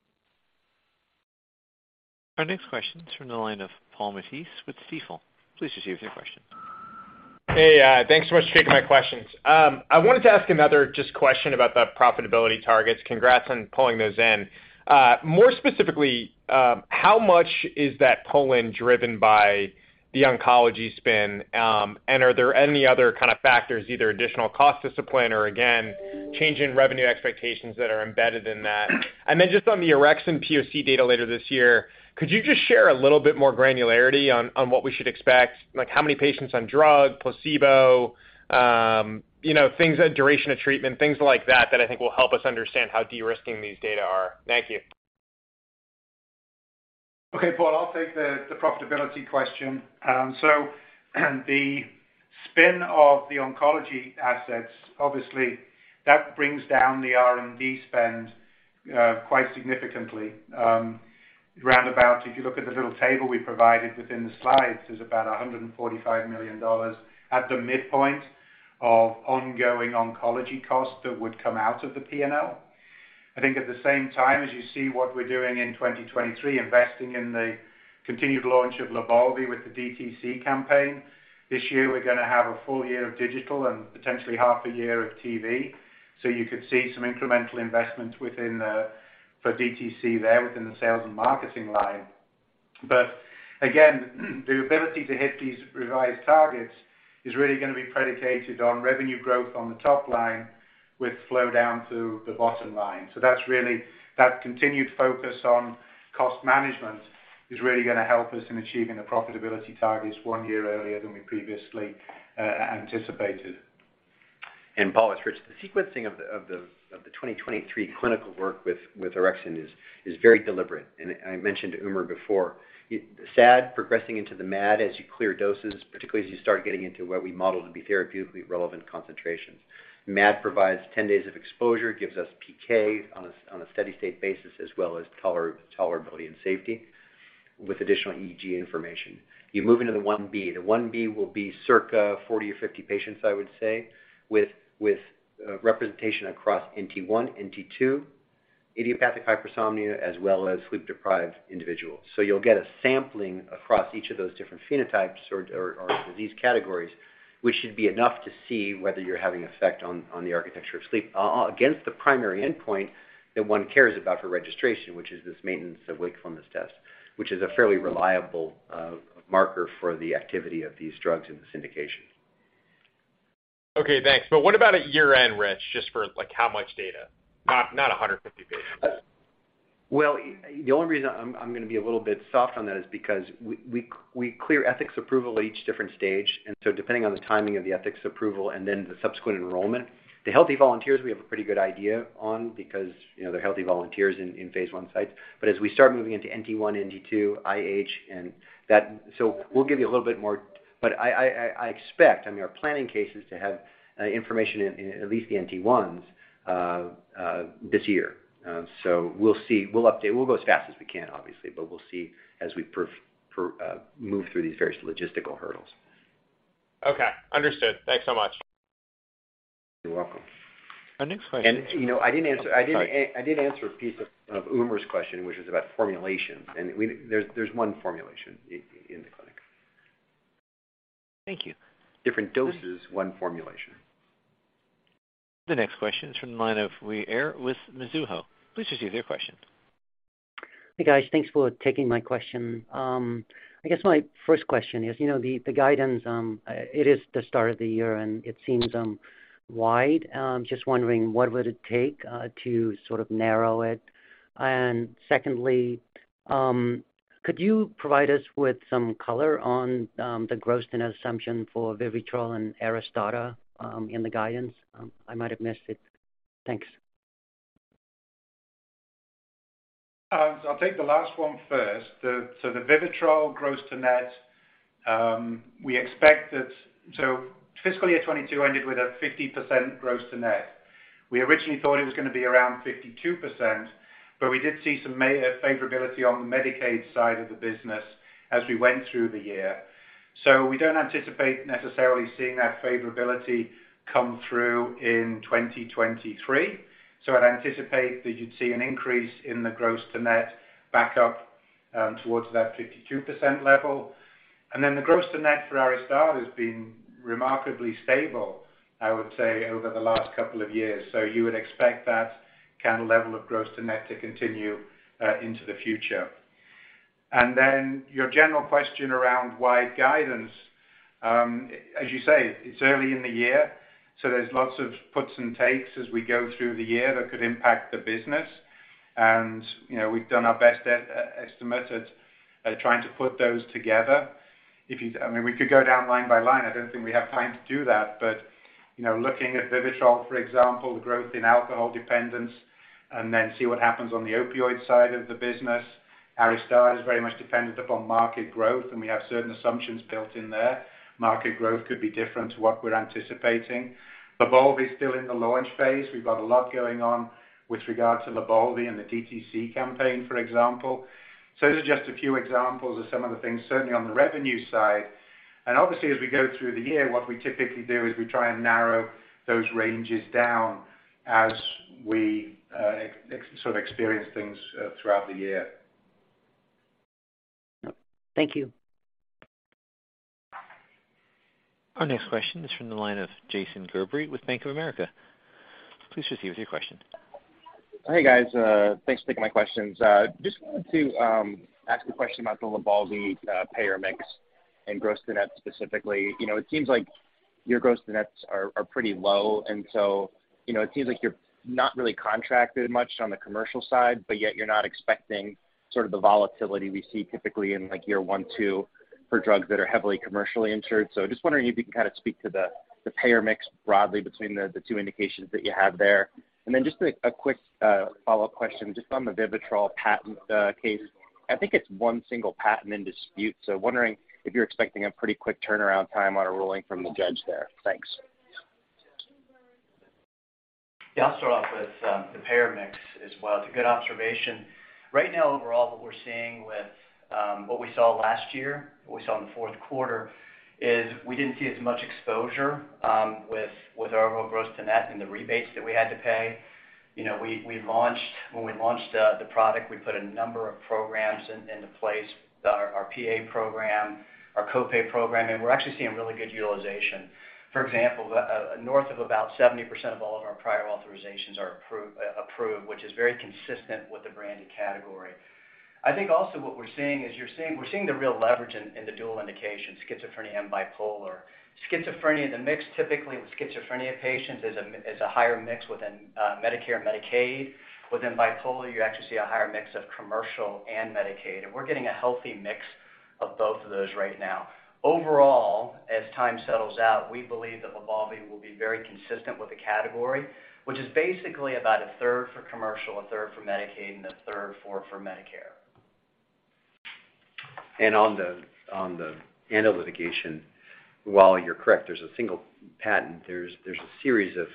Our next question is from the line of Paul Matteis with Stifel. Please proceed with your question.
Thanks so much for taking my questions. I wanted to ask another just question about the profitability targets. Congrats on pulling those in. More specifically, how much is that pull-in driven by the oncology spin? Are there any other kind of factors, either additional cost discipline or again, change in revenue expectations that are embedded in that? Just on the orexin POC data later this year, could you just share a little bit more granularity on what we should expect? Like, how many patients on drug, placebo, you know, things like duration of treatment, things like that I think will help us understand how de-risking these data are. Thank you.
Okay, Paul, I'll take the profitability question. The spin of the oncology assets, obviously that brings down the R&D spend quite significantly. Roundabout, if you look at the little table we provided within the slides, there's about $145 million at the midpoint of ongoing oncology costs that would come out of the P&L. I think at the same time, as you see what we're doing in 2023, investing in the continued launch of LYBALVI with the DTC campaign. This year we're gonna have a full year of digital and potentially half a year of TV. You could see some incremental investments for DTC there within the sales and marketing line. Again, the ability to hit these revised targets is really gonna be predicated on revenue growth on the top line with flow down to the bottom line. That continued focus on cost management is really gonna help us in achieving the profitability targets one year earlier than we previously anticipated.
Paul, it's Rich. The sequencing of the 2023 clinical work with orexin is very deliberate. I mentioned to Umar before, the SAD progressing into the MAD as you clear doses, particularly as you start getting into what we model to be therapeutically relevant concentrations. MAD provides 10 days of exposure, gives us PK on a steady state basis, as well as tolerability and safety with additional EEG information. Move into the 1B. The 1B will be circa 40 or 50 patients, I would say, with representation across NT1, NT2, idiopathic hypersomnia, as well as sleep-deprived individuals. You'll get a sampling across each of those different phenotypes or disease categories, which should be enough to see whether you're having effect on the architecture of sleep, against the primary endpoint that one cares about for registration, which is this Maintenance of Wakefulness Test, which is a fairly reliable, marker for the activity of these drugs in this indication.
Okay, thanks. What about at year-end, Rich, just for, like, how much data? Not 150 patients.
The only reason I'm gonna be a little bit soft on that is because we clear ethics approval at each different stage. Depending on the timing of the ethics approval and then the subsequent enrollment. The healthy volunteers, we have a pretty good idea on because, you know, they're healthy volunteers in Phase 1 sites. As we start moving into NT1, NT2, IH, and that. We'll give you a little bit more, but I expect, I mean, our planning case is to have information in at least the NT1s this year. We'll see. We'll update. We'll go as fast as we can, obviously, but we'll see as we move through these various logistical hurdles.
Okay. Understood. Thanks so much.
You're welcome.
Our next question?
And, you know, I didn't answer-
Oh, sorry.
I did answer a piece of Umer's question, which was about formulation. There's one formulation in the clinic.
Thank you.
Different doses, one formulation.
The next question is from the line of Uy Ear with Mizuho. Please proceed with your question.
Hey, guys. Thanks for taking my question. I guess my first question is, you know, the guidance, it is the start of the year, and it seems wide. Just wondering what would it take to sort of narrow it? Secondly, could you provide us with some color on the gross and assumption for VIVITROL and ARISTADA in the guidance? I might have missed it. Thanks.
I'll take the last one first. The VIVITROL gross to net, we expect that fiscal year 2022 ended with a 50% gross to net. We originally thought it was gonna be around 52%, but we did see some favorability on the Medicaid side of the business as we went through the year. We don't anticipate necessarily seeing that favorability come through in 2023. I'd anticipate that you'd see an increase in the gross to net back up towards that 52% level. The gross to net for ARISTADA has been remarkably stable, I would say, over the last couple of years. You would expect that kind of level of gross to net to continue into the future. Then your general question around wide guidance, as you say, it's early in the year, so there's lots of puts and takes as we go through the year that could impact the business. You know, we've done our best estimate at trying to put those together. I mean, we could go down line by line. I don't think we have time to do that. You know, looking at VIVITROL, for example, the growth in alcohol dependence, and then see what happens on the opioid side of the business. ARISTADA is very much dependent upon market growth, and we have certain assumptions built in there. Market growth could be different to what we're anticipating. LYBALVI is still in the launch phase. We've got a lot going on with regard to LYBALVI and the DTC campaign, for example. Those are just a few examples of some of the things, certainly on the revenue side. Obviously, as we go through the year, what we typically do is we try and narrow those ranges down as we experience things throughout the year.
Thank you.
Our next question is from the line of Jason Gerberry with Bank of America. Please proceed with your question.
Hey, guys. Thanks for taking my questions. Just wanted to ask a question about the LYBALVI payer mix and gross to net specifically. You know, it seems like your gross to nets are pretty low, you know, it seems like you're not really contracted much on the commercial side, but yet you're not expecting sort of the volatility we see typically in, like, year 1, 2 for drugs that are heavily commercially insured. Just wondering if you can kind of speak to the payer mix broadly between the two indications that you have there. Just a quick follow-up question just on the VIVITROL patent case. I think it's 1 single patent in dispute, so wondering if you're expecting a pretty quick turnaround time on a ruling from the judge there. Thanks.
Yeah, I'll start off with the payer mix as well. It's a good observation. Right now, overall, what we're seeing with what we saw last year, what we saw in the fourth quarter, is we didn't see as much exposure with our overall gross to net and the rebates that we had to pay. You know, when we launched the product, we put a number of programs into place that are Our PA program, our co-pay program, we're actually seeing really good utilization. For example, north of about 70% of all of our prior authorizations are approved, which is very consistent with the branded category. I think also what we're seeing is we're seeing the real leverage in the dual indication, schizophrenia and bipolar. Schizophrenia, the mix, typically with schizophrenia patients is a higher mix within Medicare and Medicaid. Within bipolar, you actually see a higher mix of commercial and Medicaid. We're getting a healthy mix of both of those right now. Overall, as time settles out, we believe that LYBALVI will be very consistent with the category, which is basically about a third for commercial, a third for Medicaid, and a third for Medicare.
On the ANDA litigation, while you're correct, there's a single patent, there's a series of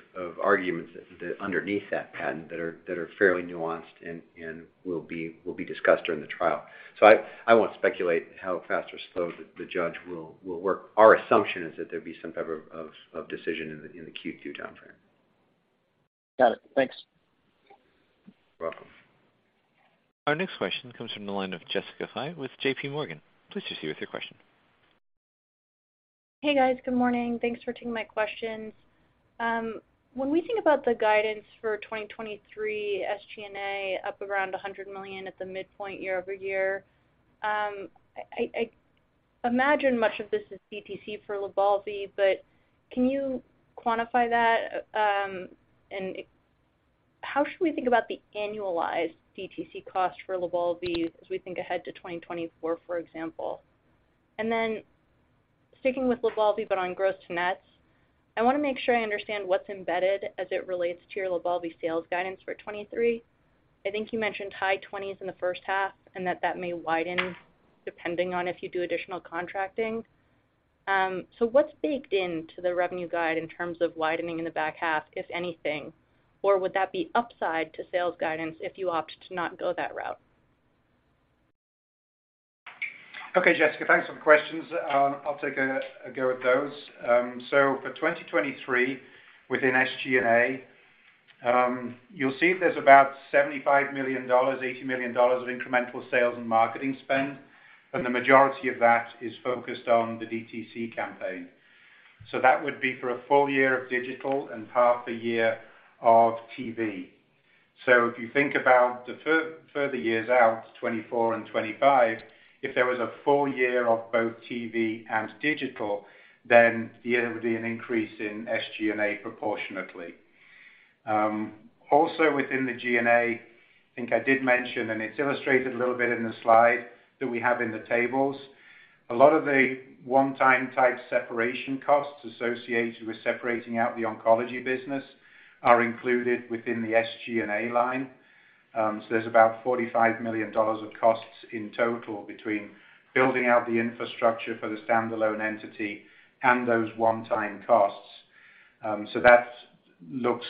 arguments that underneath that patent that are fairly nuanced and will be discussed during the trial. I won't speculate how fast or slow the judge will work. Our assumption is that there'd be some type of decision in the Q2 timeframe.
Got it. Thanks.
You're welcome.
Our next question comes from the line of Jessica Fye with J.P. Morgan. Please proceed with your question.
Hey, guys. Good morning. Thanks for taking my questions. When we think about the guidance for 2023 SG&A up around $100 million at the midpoint year-over-year, I imagine much of this is DTC for LYBALVI, but can you quantify that? How should we think about the annualized DTC cost for LYBALVI as we think ahead to 2024, for example? Sticking with LYBALVI, but on gross to nets, I wanna make sure I understand what's embedded as it relates to your LYBALVI sales guidance for 23. I think you mentioned high 20s in the first half, and that may widen depending on if you do additional contracting. What's baked into the revenue guide in terms of widening in the back half, if anything? Would that be upside to sales guidance if you opt to not go that route?
Okay, Jessica. Thanks for the questions. I'll take a go at those. For 2023, within SG&A, you'll see there's about $75 million, $80 million of incremental sales and marketing spend, and the majority of that is focused on the DTC campaign. That would be for a full year of digital and half a year of TV. If you think about the further years out, 2024 and 2025, if there was a full year of both TV and digital, then yeah, there would be an increase in SG&A proportionately. Also within the G&A, I think I did mention, and it's illustrated a little bit in the slide that we have in the tables. A lot of the one-time type separation costs associated with separating out the oncology business are included within the SG&A line. There's about $45 million of costs in total between building out the infrastructure for the standalone entity and those one-time costs. That looks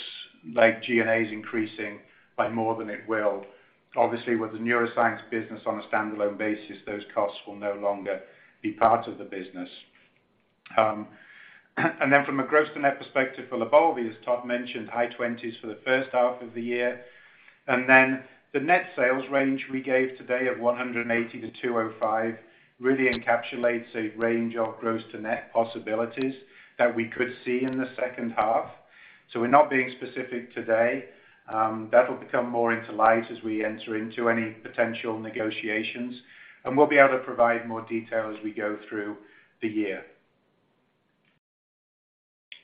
like G&A is increasing by more than it will. Obviously, with the neuroscience business on a standalone basis, those costs will no longer be part of the business. From a gross to net perspective for LYBALVI, as Todd mentioned, high 20s for the first half of the year. The net sales range we gave today of $180 million–$205 million really encapsulates a range of gross to net possibilities that we could see in the second half. We're not being specific today. That'll become more into light as we enter into any potential negotiations, and we'll be able to provide more detail as we go through the year.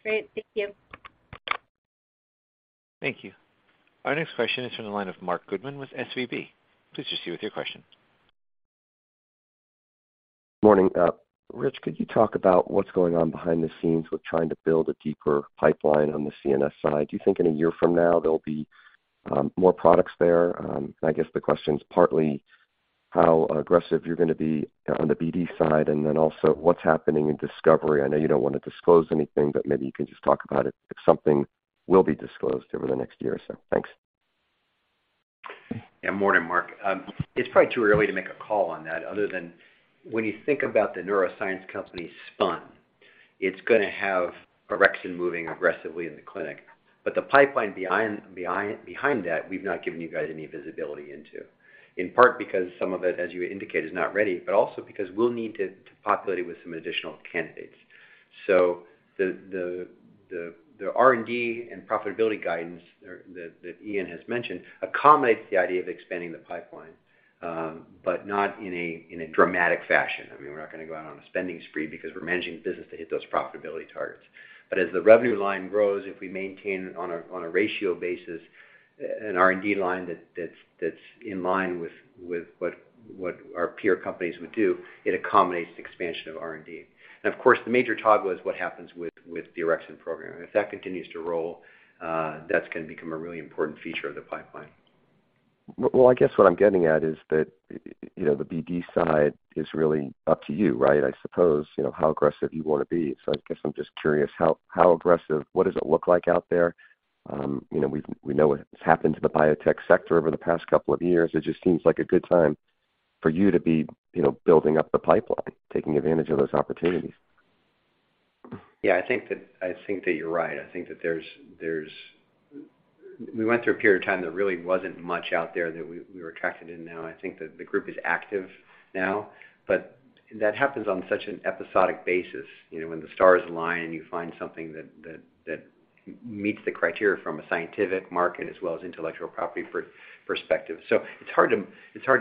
Great. Thank you.
Thank you. Our next question is from the line of Marc Goodman with SVB. Please proceed with your question.
Morning. Rich, could you talk about what's going on behind the scenes with trying to build a deeper pipeline on the CNS side? Do you think in a year from now there'll be more products there? I guess the question is partly how aggressive you're gonna be on the BD side and then also what's happening in discovery. I know you don't wanna disclose anything, but maybe you can just talk about it if something will be disclosed over the next year or so. Thanks.
Yeah. Morning, Marc. It's probably too early to make a call on that other than when you think about the neuroscience company spun, it's gonna have orexin moving aggressively in the clinic. The pipeline behind that, we've not given you guys any visibility into. In part because some of it, as you indicated, is not ready, but also because we'll need to populate it with some additional candidates. The R&D and profitability guidance that Iain has mentioned accommodates the idea of expanding the pipeline, but not in a dramatic fashion. I mean, we're not gonna go out on a spending spree because we're managing business to hit those profitability targets. As the revenue line grows, if we maintain on a ratio basis an R&D line that's in line with what our peer companies would do, it accommodates the expansion of R&D. Of course, the major toggle is what happens with the orexin program. If that continues to roll, that's gonna become a really important feature of the pipeline.
Well, I guess what I'm getting at is that, you know, the BD side is really up to you, right? I suppose, you know, how aggressive you wanna be. I guess I'm just curious how aggressive what does it look like out there? you know, we know what has happened to the biotech sector over the past couple of years. It just seems like a good time for you to be, you know, building up the pipeline, taking advantage of those opportunities.
Yeah, I think that, I think that you're right. I think that there's We went through a period of time there really wasn't much out there that we were attracted in now. I think that the group is active now, but that happens on such an episodic basis, you know, when the stars align and you find something that meets the criteria from a scientific market as well as intellectual property perspective. It's hard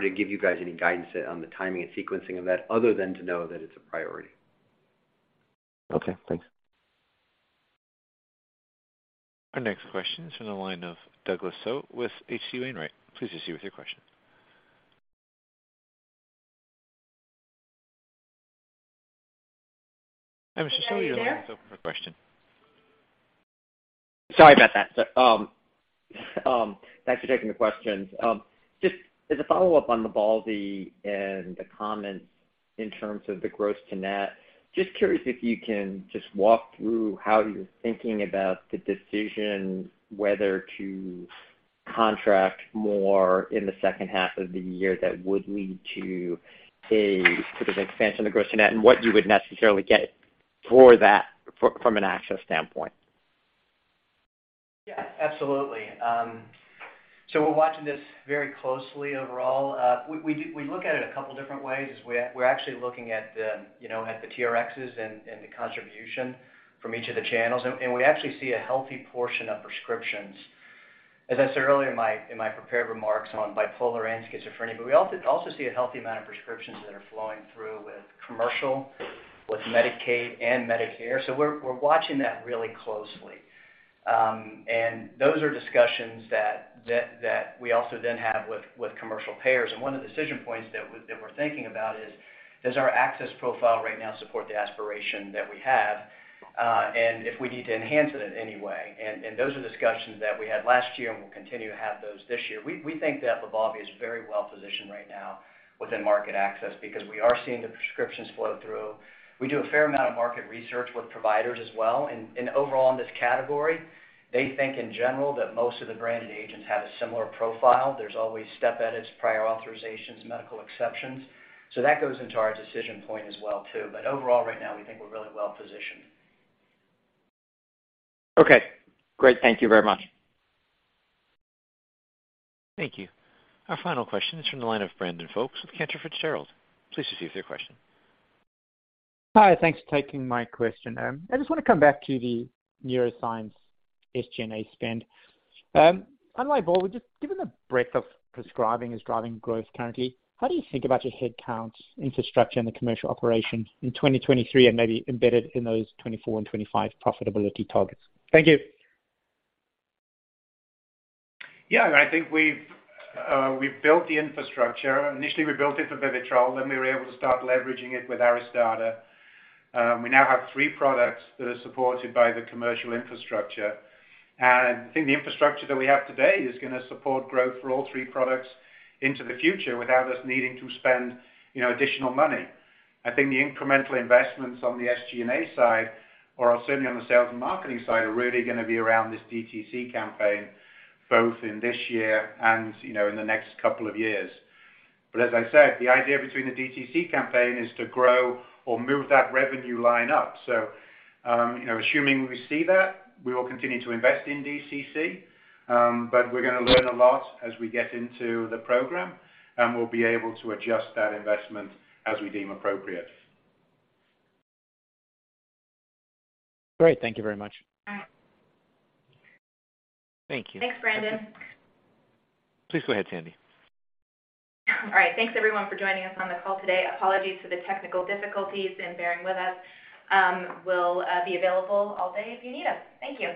to give you guys any guidance on the timing and sequencing of that other than to know that it's a priority.
Okay, thanks.
Our next question is from the line of Douglas Tsao with H.C. Wainwright. Please proceed with your question. Mr. So, are you there for a question?
Sorry about that. Thanks for taking the questions. Just as a follow-up on LYBALVI and the comments in terms of the gross to net, just curious if you can just walk through how you're thinking about the decision whether to contract more in the second half of the year that would lead to a sort of expansion of the gross to net and what you would necessarily get for that from an access standpoint.
Yeah, absolutely. We're watching this very closely overall. We look at it a couple different ways. We're actually looking at the, you know, at the TRXs and the contribution from each of the channels. We actually see a healthy portion of prescriptions, as I said earlier in my prepared remarks on bipolar and schizophrenia, but we also see a healthy amount of prescriptions that are flowing through with commercial, with Medicaid and Medicare. We're watching that really closely. Those are discussions that we also then have with commercial payers. One of the decision points that we're thinking about is, does our access profile right now support the aspiration that we have, and if we need to enhance it in any way. Those are discussions that we had last year, and we'll continue to have those this year. We think that LYBALVI is very well-positioned right now within market access because we are seeing the prescriptions flow through. We do a fair amount of market research with providers as well. Overall in this category, they think in general that most of the branded agents have a similar profile. There's always step edits, prior authorizations, medical exceptions. That goes into our decision point as well too. Overall, right now, we think we're really well-positioned.
Okay, great. Thank you very much.
Thank you. Our final question is from the line of Brandon Folkes with Cantor Fitzgerald. Please proceed with your question.
Hi, thanks for taking my question. I just wanna come back to the neuroscience SG&A spend. Unlike Bob, given the breadth of prescribing is driving growth currently, how do you think about your head count infrastructure and the commercial operation in 2023 and maybe embedded in those 2024 and 2025 profitability targets? Thank you.
Yeah. I think we've built the infrastructure. Initially, we built it for VIVITROL, then we were able to start leveraging it with ARISTADA. We now have 3 products that are supported by the commercial infrastructure. I think the infrastructure that we have today is gonna support growth for all 3 products into the future without us needing to spend, you know, additional money. I think the incremental investments on the SG&A side or certainly on the sales and marketing side, are really gonna be around this DTC campaign, both in this year and, you know, in the next 2 years. As I said, the idea between the DTC campaign is to grow or move that revenue line up. You know, assuming we see that, we will continue to invest in DTC, but we're gonna learn a lot as we get into the program, and we'll be able to adjust that investment as we deem appropriate.
Great. Thank you very much.
Thank you.
Thanks, Brandon.
Please go ahead, Sandy.
All right. Thanks everyone for joining us on the call today. Apologies for the technical difficulties and bearing with us. We'll be available all day if you need us. Thank you.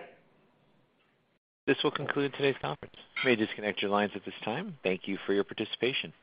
This will conclude today's conference. You may disconnect your lines at this time. Thank you for your participation.